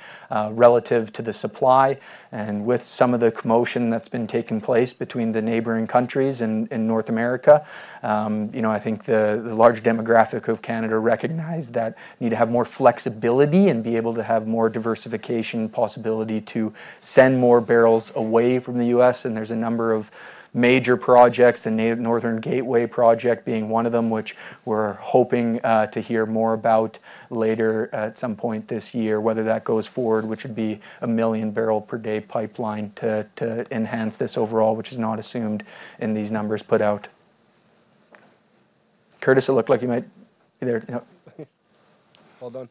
relative to the supply. And with some of the commotion that's been taking place between the neighboring countries in North America, I think the large demographic of Canada recognized that need to have more flexibility and be able to have more diversification possibility to send more barrels away from the U.S. And there's a number of major projects, the Northern Gateway project being one of them, which we're hoping to hear more about later at some point this year, whether that goes forward, which would be a 1 million barrel per day pipeline to enhance this overall, which is not assumed in these numbers put out. Curtis, it looked like you might either no. Well done.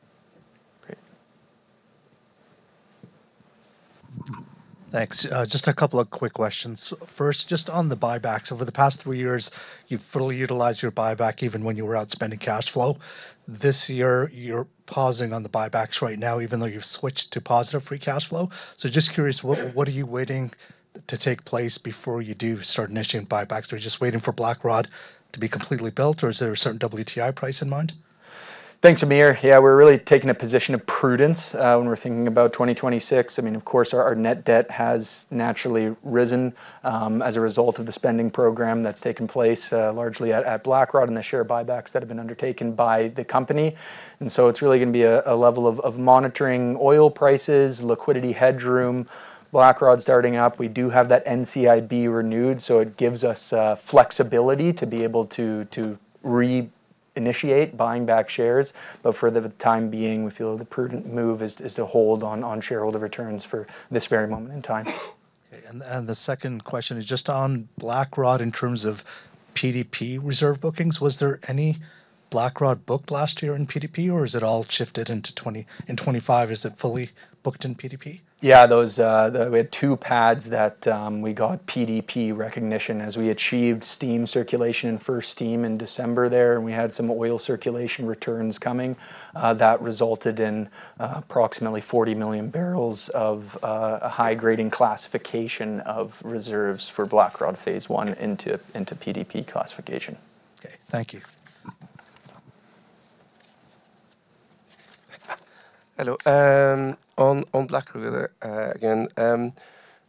Great. Thanks. Just a couple of quick questions. First, just on the buybacks. Over the past three years, you've fully utilized your buyback even when you were outspending cash flow. This year, you're pausing on the buybacks right now, even though you've switched to positive free cash flow. So just curious, what are you waiting to take place before you do start initiating buybacks? Are you just waiting for Blackrod to be completely built, or is there a certain WTI price in mind? Thanks, Amir. Yeah, we're really taking a position of prudence when we're thinking about 2026. I mean, of course, our net debt has naturally risen as a result of the spending program that's taken place largely at Blackrod and the share buybacks that have been undertaken by the company. And so it's really going to be a level of monitoring oil prices, liquidity hedge room. Blackrod starting up, we do have that NCIB renewed. So it gives us flexibility to be able to reinitiate buying back shares. But for the time being, we feel the prudent move is to hold on shareholder returns for this very moment in time. Okay. And the second question is just on Blackrod in terms of PDP reserve bookings. Was there any Blackrod booked last year in PDP, or is it all shifted into 2025? Is it fully booked in PDP? Yeah. We had 2 pads that we got PDP recognition as we achieved steam circulation and first steam in December there. And we had some oil circulation returns coming that resulted in approximately 40 million barrels of a high-grading classification of reserves for Blackrod Phase 1 into PDP classification. Okay. Thank you. Hello. On Blackrod again,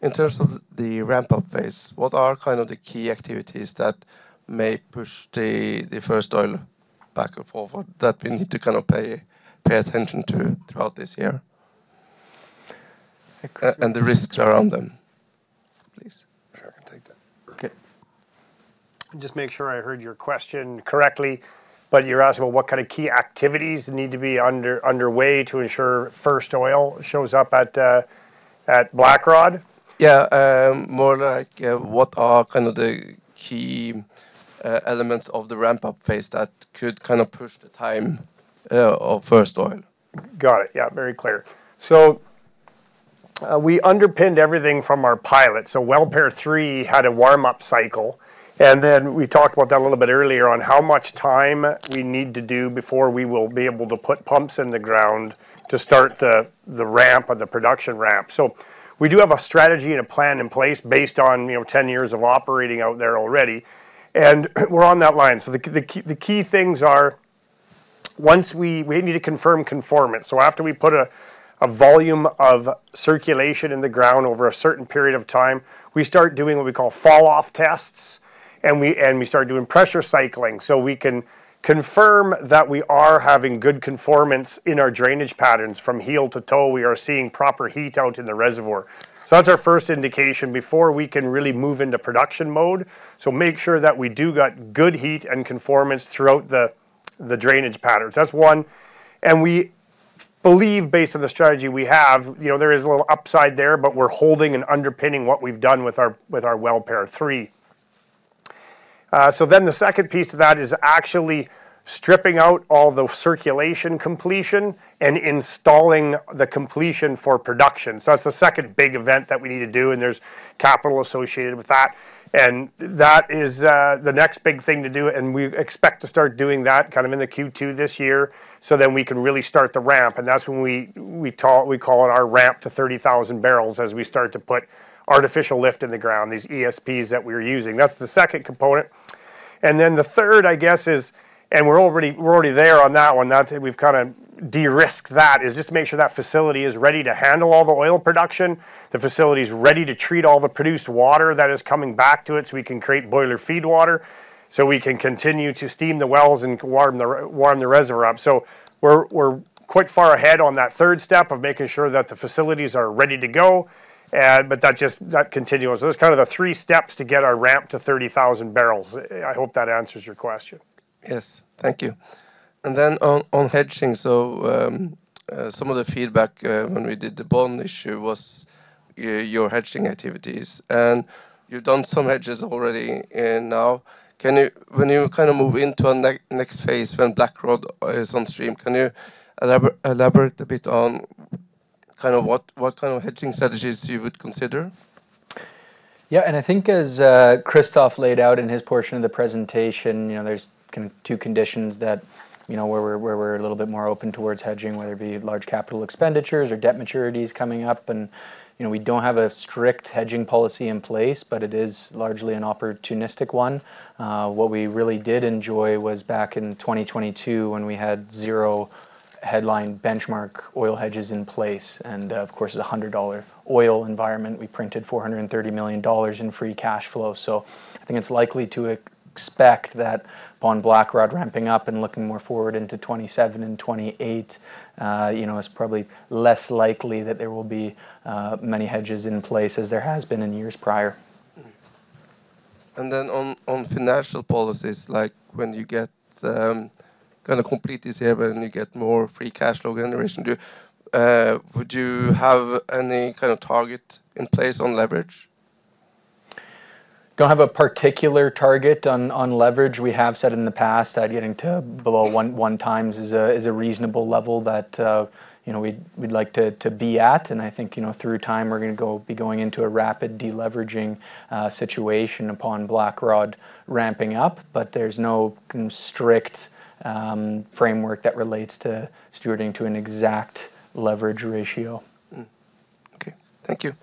in terms of the ramp-up phase, what are kind of the key activities that may push the first oil back and forth that we need to kind of pay attention to throughout this year and the risks around them, please? Sure. I can take that. Okay. Just make sure I heard your question correctly. But you're asking about what kind of key activities need to be underway to ensure first oil shows up at Blackrod? Yeah. More like what are kind of the key elements of the ramp-up phase that could kind of push the time of first oil? Got it. Yeah. Very clear. So we underpinned everything from our pilot. So Well Pair 3 had a warm-up cycle. And then we talked about that a little bit earlier on how much time we need to do before we will be able to put pumps in the ground to start the ramp or the production ramp. So we do have a strategy and a plan in place based on 10 years of operating out there already. And we're on that line. So the key things are once we need to confirm conformance. So after we put a volume of circulation in the ground over a certain period of time, we start doing what we call fall-off tests. And we start doing pressure cycling so we can confirm that we are having good conformance in our drainage patterns. From heel to toe, we are seeing proper heat out in the reservoir. So that's our first indication before we can really move into production mode. So make sure that we do got good heat and conformance throughout the drainage patterns. That's one. And we believe, based on the strategy we have, there is a little upside there, but we're holding and underpinning what we've done with our Well Pair 3. So then the second piece to that is actually stripping out all the circulation completion and installing the completion for production. So that's the second big event that we need to do. And there's capital associated with that. And that is the next big thing to do. And we expect to start doing that kind of in the Q2 this year so then we can really start the ramp. And that's when we call it our ramp to 30,000 barrels as we start to put artificial lift in the ground, these ESPs that we're using. That's the second component. And then the third, I guess, is, and we're already there on that one. We've kind of de-risked that, is just to make sure that facility is ready to handle all the oil production, the facility's ready to treat all the produced water that is coming back to it so we can create boiler feed water so we can continue to steam the wells and warm the reservoir up. So we're quite far ahead on that third step of making sure that the facilities are ready to go, but that continues. So that's kind of the three steps to get our ramp to 30,000 barrels. I hope that answers your question. Yes. Thank you. And then on hedging, so some of the feedback when we did the bond issue was your hedging activities. And you've done some hedges already now. When you kind of move into a next phase when Blackrod is on stream, can you elaborate a bit on kind of what kind of hedging strategies you would consider? Yeah. And I think, as Christophe laid out in his portion of the presentation, there's kind of two conditions where we're a little bit more open towards hedging, whether it be large capital expenditures or debt maturities coming up. And we don't have a strict hedging policy in place, but it is largely an opportunistic one. What we really did enjoy was back in 2022 when we had zero headline benchmark oil hedges in place. And of course, it's a $100 oil environment. We printed $430 million in free cash flow. So I think it's likely to expect that on Blackrod ramping up and looking more forward into 2027 and 2028, it's probably less likely that there will be many hedges in place as there has been in years prior. Then on financial policies, like when you get kind of complete this year when you get more free cash flow generation, would you have any kind of target in place on leverage? Don't have a particular target on leverage. We have said in the past that getting to below one times is a reasonable level that we'd like to be at. And I think through time, we're going to be going into a rapid deleveraging situation upon Blackrod ramping up. But there's no strict framework that relates to stewarding to an exact leverage ratio. Okay. Thank you.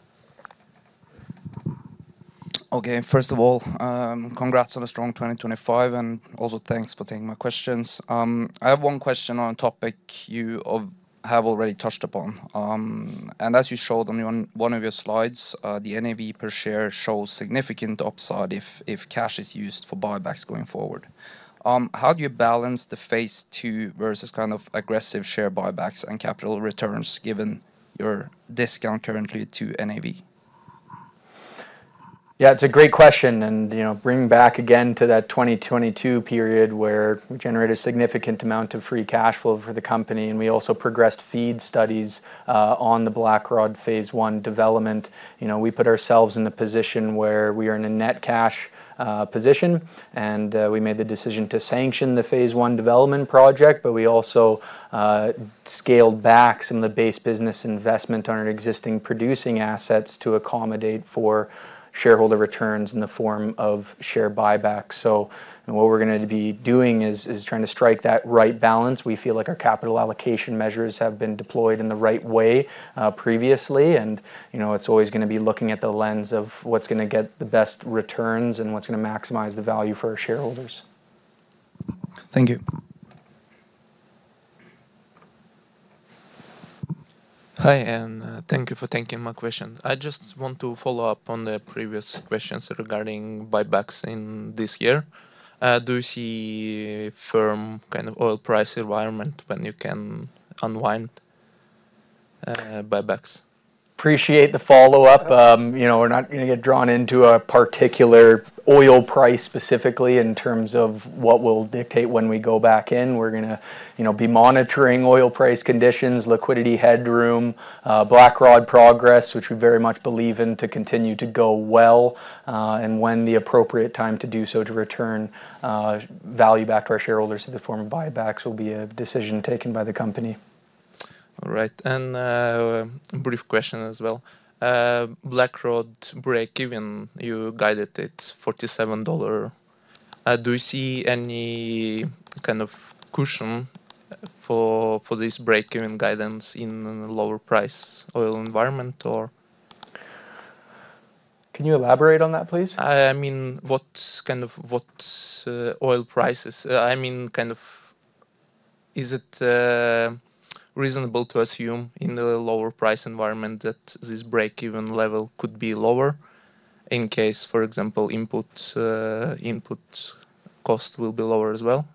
Okay. First of all, congrats on a strong 2025, and also thanks for taking my questions. I have one question on a topic you have already touched upon. As you showed on one of your slides, the NAV per share shows significant upside if cash is used for buybacks going forward. How do you balance the Phase 2 versus kind of aggressive share buybacks and capital returns given your discount currently to NAV? Yeah. It's a great question. And bringing back again to that 2022 period where we generated a significant amount of free cash flow for the company, and we also progressed feed studies on the Blackrod Phase 1 development, we put ourselves in the position where we are in a net cash position. And we made the decision to sanction the Phase 1 development project. But we also scaled back some of the base business investment on our existing producing assets to accommodate for shareholder returns in the form of share buybacks. So what we're going to be doing is trying to strike that right balance. We feel like our capital allocation measures have been deployed in the right way previously. And it's always going to be looking at the lens of what's going to get the best returns and what's going to maximize the value for our shareholders. Thank you. Hi. Thank you for taking my question. I just want to follow up on the previous questions regarding buybacks in this year. Do you see a firm kind of oil price environment when you can unwind buybacks? Appreciate the follow-up. We're not going to get drawn into a particular oil price specifically in terms of what will dictate when we go back in. We're going to be monitoring oil price conditions, liquidity hedge room, Blackrod progress, which we very much believe in to continue to go well. And when the appropriate time to do so to return value back to our shareholders in the form of buybacks will be a decision taken by the company. All right. A brief question as well. Blackrod break-even, you guided it $47. Do you see any kind of cushion for this break-even guidance in the lower price oil environment, or? Can you elaborate on that, please? I mean, what kind of oil prices I mean, kind of is it reasonable to assume in the lower price environment that this break-even level could be lower in case, for example, input cost will be lower as well?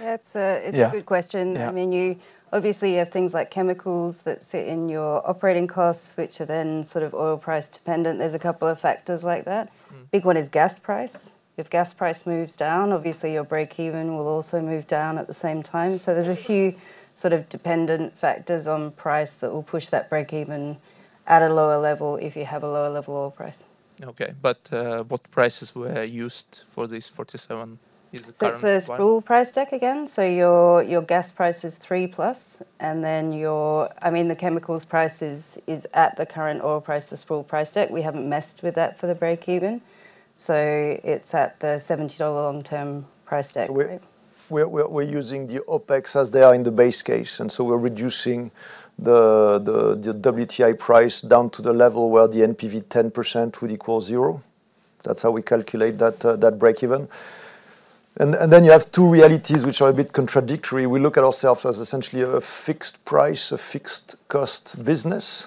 Yeah. It's a good question. I mean, obviously, you have things like chemicals that sit in your operating costs, which are then sort of oil price-dependent. There's a couple of factors like that. Big one is gas price. If gas price moves down, obviously, your break-even will also move down at the same time. So there's a few sort of dependent factors on price that will push that break-even at a lower level if you have a lower level oil price. Okay. But what prices were used for this 47? Is it currently? It's the crude price deck again. So your gas price is $3+. And then your, I mean, the chemicals price is at the current oil price, the crude price deck. We haven't messed with that for the break-even. So it's at the $70 long-term price deck. So we're using the OPEX as they are in the base case. So we're reducing the WTI price down to the level where the NPV 10% would equal zero. That's how we calculate that break-even. Then you have two realities which are a bit contradictory. We look at ourselves as essentially a fixed price, a fixed-cost business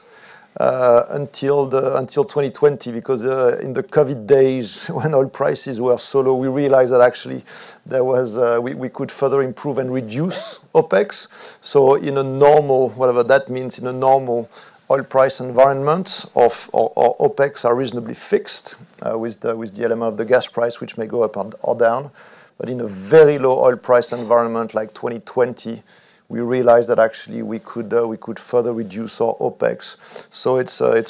until 2020 because in the COVID days, when oil prices were low, we realized that actually we could further improve and reduce OPEX. In a normal whatever that means, in a normal oil price environment, OPEX are reasonably fixed with the element of the gas price, which may go up or down. But in a very low oil price environment like 2020, we realized that actually we could further reduce our OPEX.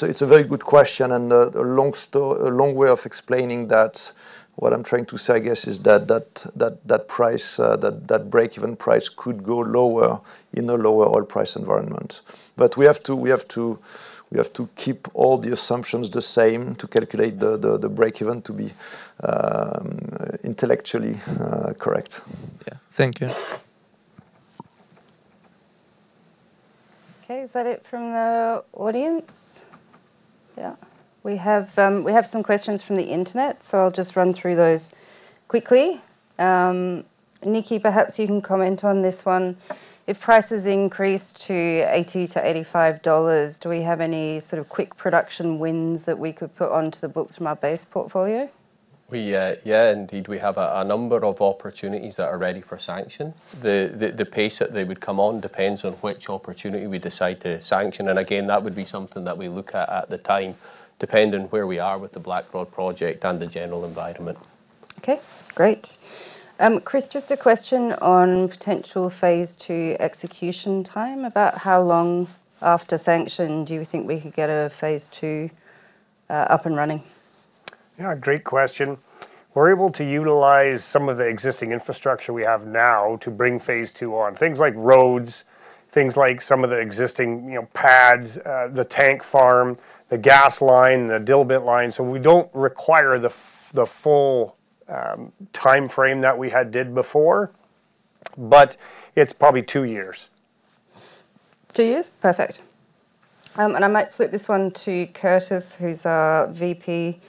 It's a very good question and a long way of explaining that what I'm trying to say, I guess, is that that break-even price could go lower in a lower oil price environment. But we have to keep all the assumptions the same to calculate the break-even to be intellectually correct. Yeah. Thank you. Okay. Is that it from the audience? Yeah. We have some questions from the internet, so I'll just run through those quickly. Nicki, perhaps you can comment on this one. If prices increase to $80-$85, do we have any sort of quick production wins that we could put onto the books from our base portfolio? Yeah. Indeed, we have a number of opportunities that are ready for sanction. The pace that they would come on depends on which opportunity we decide to sanction. And again, that would be something that we look at at the time depending where we are with the Blackrod project and the general environment. Okay. Great. Chris, just a question on potential Phase 2 execution time. About how long after sanction do you think we could get a Phase 2 up and running? Yeah. Great question. We're able to utilize some of the existing infrastructure we have now to bring Phase 2 on, things like roads, things like some of the existing pads, the tank farm, the gas line, the diluent line. So we don't require the full timeframe that we had did before, but it's probably two years. Two years? Perfect. And I might flip this one to Curtis, who's VP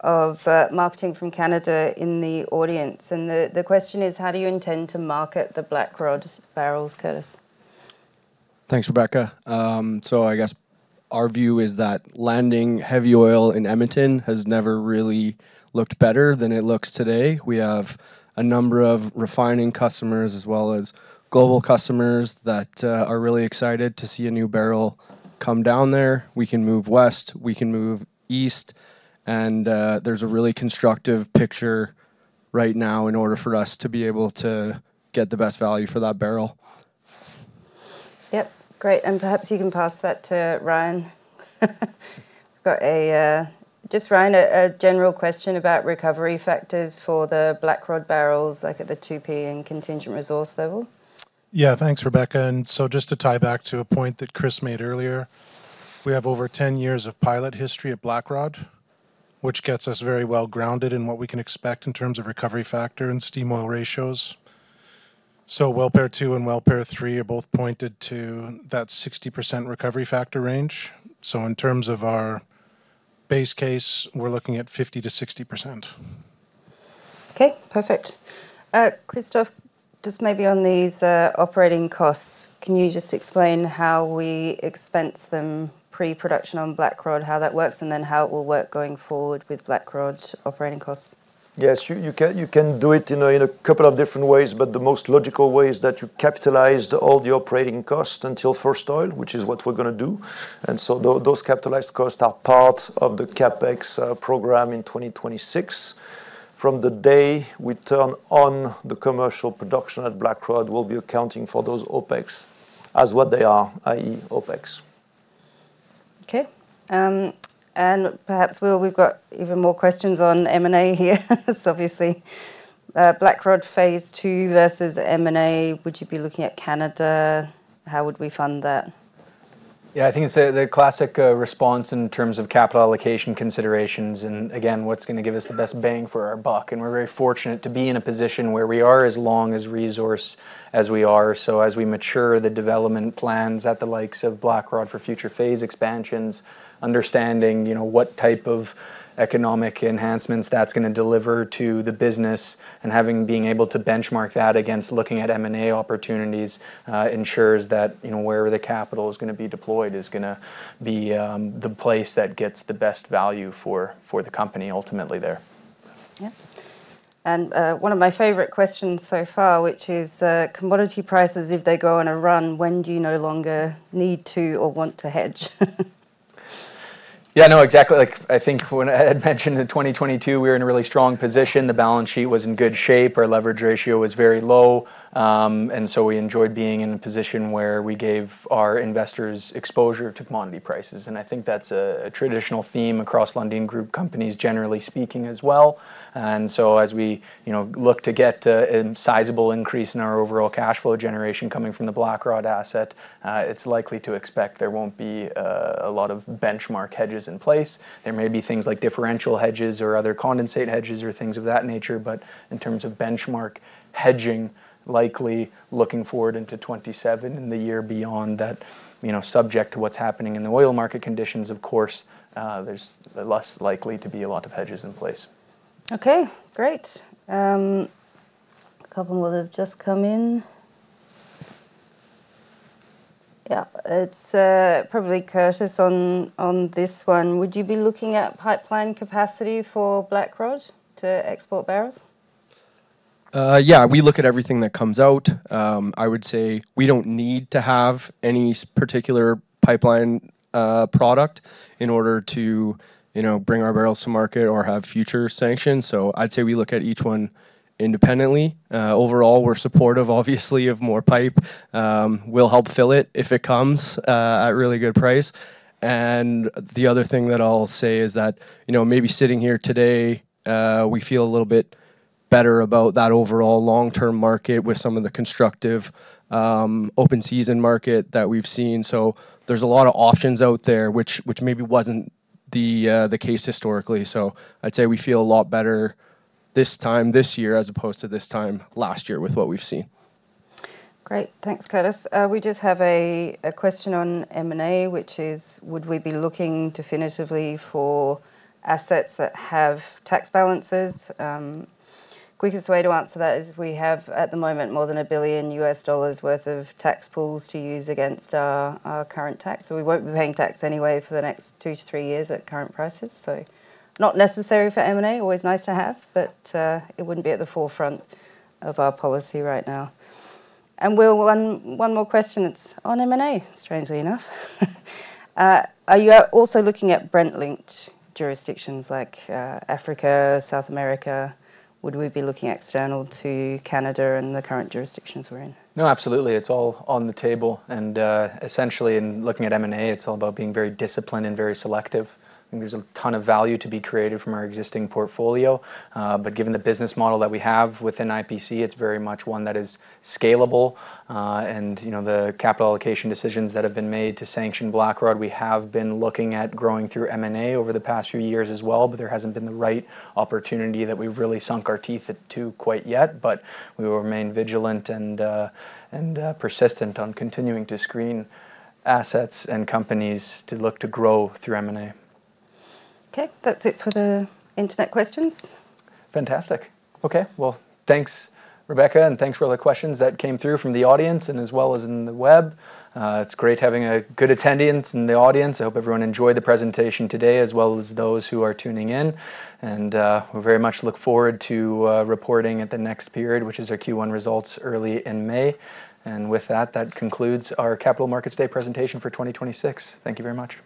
of Marketing from Canada in the audience. And the question is, how do you intend to market the Blackrod barrels, Curtis? Thanks, Rebecca. So I guess our view is that landing heavy oil in Edmonton has never really looked better than it looks today. We have a number of refining customers as well as global customers that are really excited to see a new barrel come down there. We can move west. We can move east. And there's a really constructive picture right now in order for us to be able to get the best value for that barrel. Yep. Great. And perhaps you can pass that to Ryan. Just Ryan, a general question about recovery factors for the Blackrod barrels at the 2P and contingent resource level. Yeah. Thanks, Rebecca. And so just to tie back to a point that Chris made earlier, we have over 10 years of pilot history at Blackrod, which gets us very well grounded in what we can expect in terms of recovery factor and steam oil ratios. So Well Pair 2 and Well Pair 3 are both pointed to that 60% recovery factor range. So in terms of our base case, we're looking at 50%-60%. Okay. Perfect. Christophe, just maybe on these operating costs, can you just explain how we expense them pre-production on Blackrod, how that works, and then how it will work going forward with Blackrod operating costs? Yes. You can do it in a couple of different ways. But the most logical way is that you capitalize all the operating costs until first oil, which is what we're going to do. And so those capitalized costs are part of the CapEx program in 2026. From the day we turn on the commercial production at Blackrod, we'll be accounting for those OpEx as what they are, i.e., OpEx. Okay. Perhaps we've got even more questions on M&A here. Obviously, Blackrod Phase 2 versus M&A, would you be looking at Canada? How would we fund that? Yeah. I think it's the classic response in terms of capital allocation considerations and, again, what's going to give us the best bang for our buck. And we're very fortunate to be in a position where we are as long as resource as we are. So as we mature the development plans at the likes of Blackrod for future phase expansions, understanding what type of economic enhancements that's going to deliver to the business and being able to benchmark that against looking at M&A opportunities ensures that wherever the capital is going to be deployed is going to be the place that gets the best value for the company ultimately there. Yeah. And one of my favorite questions so far, which is, commodity prices, if they go on a run, when do you no longer need to or want to hedge? Yeah. No. Exactly. I think when I had mentioned in 2022, we were in a really strong position. The balance sheet was in good shape. Our leverage ratio was very low. And so we enjoyed being in a position where we gave our investors exposure to commodity prices. And I think that's a traditional theme across Lundin Group companies, generally speaking, as well. And so as we look to get a sizable increase in our overall cash flow generation coming from the Blackrod asset, it's likely to expect there won't be a lot of benchmark hedges in place. There may be things like differential hedges or other condensate hedges or things of that nature. But in terms of benchmark hedging, likely looking forward into 2027 and the year beyond, subject to what's happening in the oil market conditions, of course, there's less likely to be a lot of hedges in place. Okay. Great. A couple more have just come in. Yeah. It's probably Curtis on this one. Would you be looking at pipeline capacity for Blackrod to export barrels? Yeah. We look at everything that comes out. I would say we don't need to have any particular pipeline product in order to bring our barrels to market or have future sanctions. So I'd say we look at each one independently. Overall, we're supportive, obviously, of more pipe. We'll help fill it if it comes at really good price. And the other thing that I'll say is that maybe sitting here today, we feel a little bit better about that overall long-term market with some of the constructive open season market that we've seen. So there's a lot of options out there, which maybe wasn't the case historically. So I'd say we feel a lot better this time this year as opposed to this time last year with what we've seen. Great. Thanks, Curtis. We just have a question on M&A, which is, would we be looking definitively for assets that have tax balances? Quickest way to answer that is we have, at the moment, more than $1 billion worth of tax pools to use against our current tax. So we won't be paying tax anyway for the next 2-3 years at current prices. So not necessary for M&A. Always nice to have, but it wouldn't be at the forefront of our policy right now. One more question. It's on M&A, strangely enough. Are you also looking at Brent-linked jurisdictions like Africa, South America? Would we be looking external to Canada and the current jurisdictions we're in? No. Absolutely. It's all on the table. Essentially, in looking at M&A, it's all about being very disciplined and very selective. I think there's a ton of value to be created from our existing portfolio. Given the business model that we have within IPC, it's very much one that is scalable. The capital allocation decisions that have been made to sanction Blackrod, we have been looking at growing through M&A over the past few years as well. There hasn't been the right opportunity that we've really sunk our teeth into quite yet. We will remain vigilant and persistent on continuing to screen assets and companies to look to grow through M&A. Okay. That's it for the internet questions. Fantastic. Okay. Well, thanks, Rebecca, and thanks for all the questions that came through from the audience and as well as in the web. It's great having a good attendance in the audience. I hope everyone enjoyed the presentation today as well as those who are tuning in. And we very much look forward to reporting at the next period, which is our Q1 results early in May. And with that, that concludes our Capital Markets Day presentation for 2026. Thank you very much.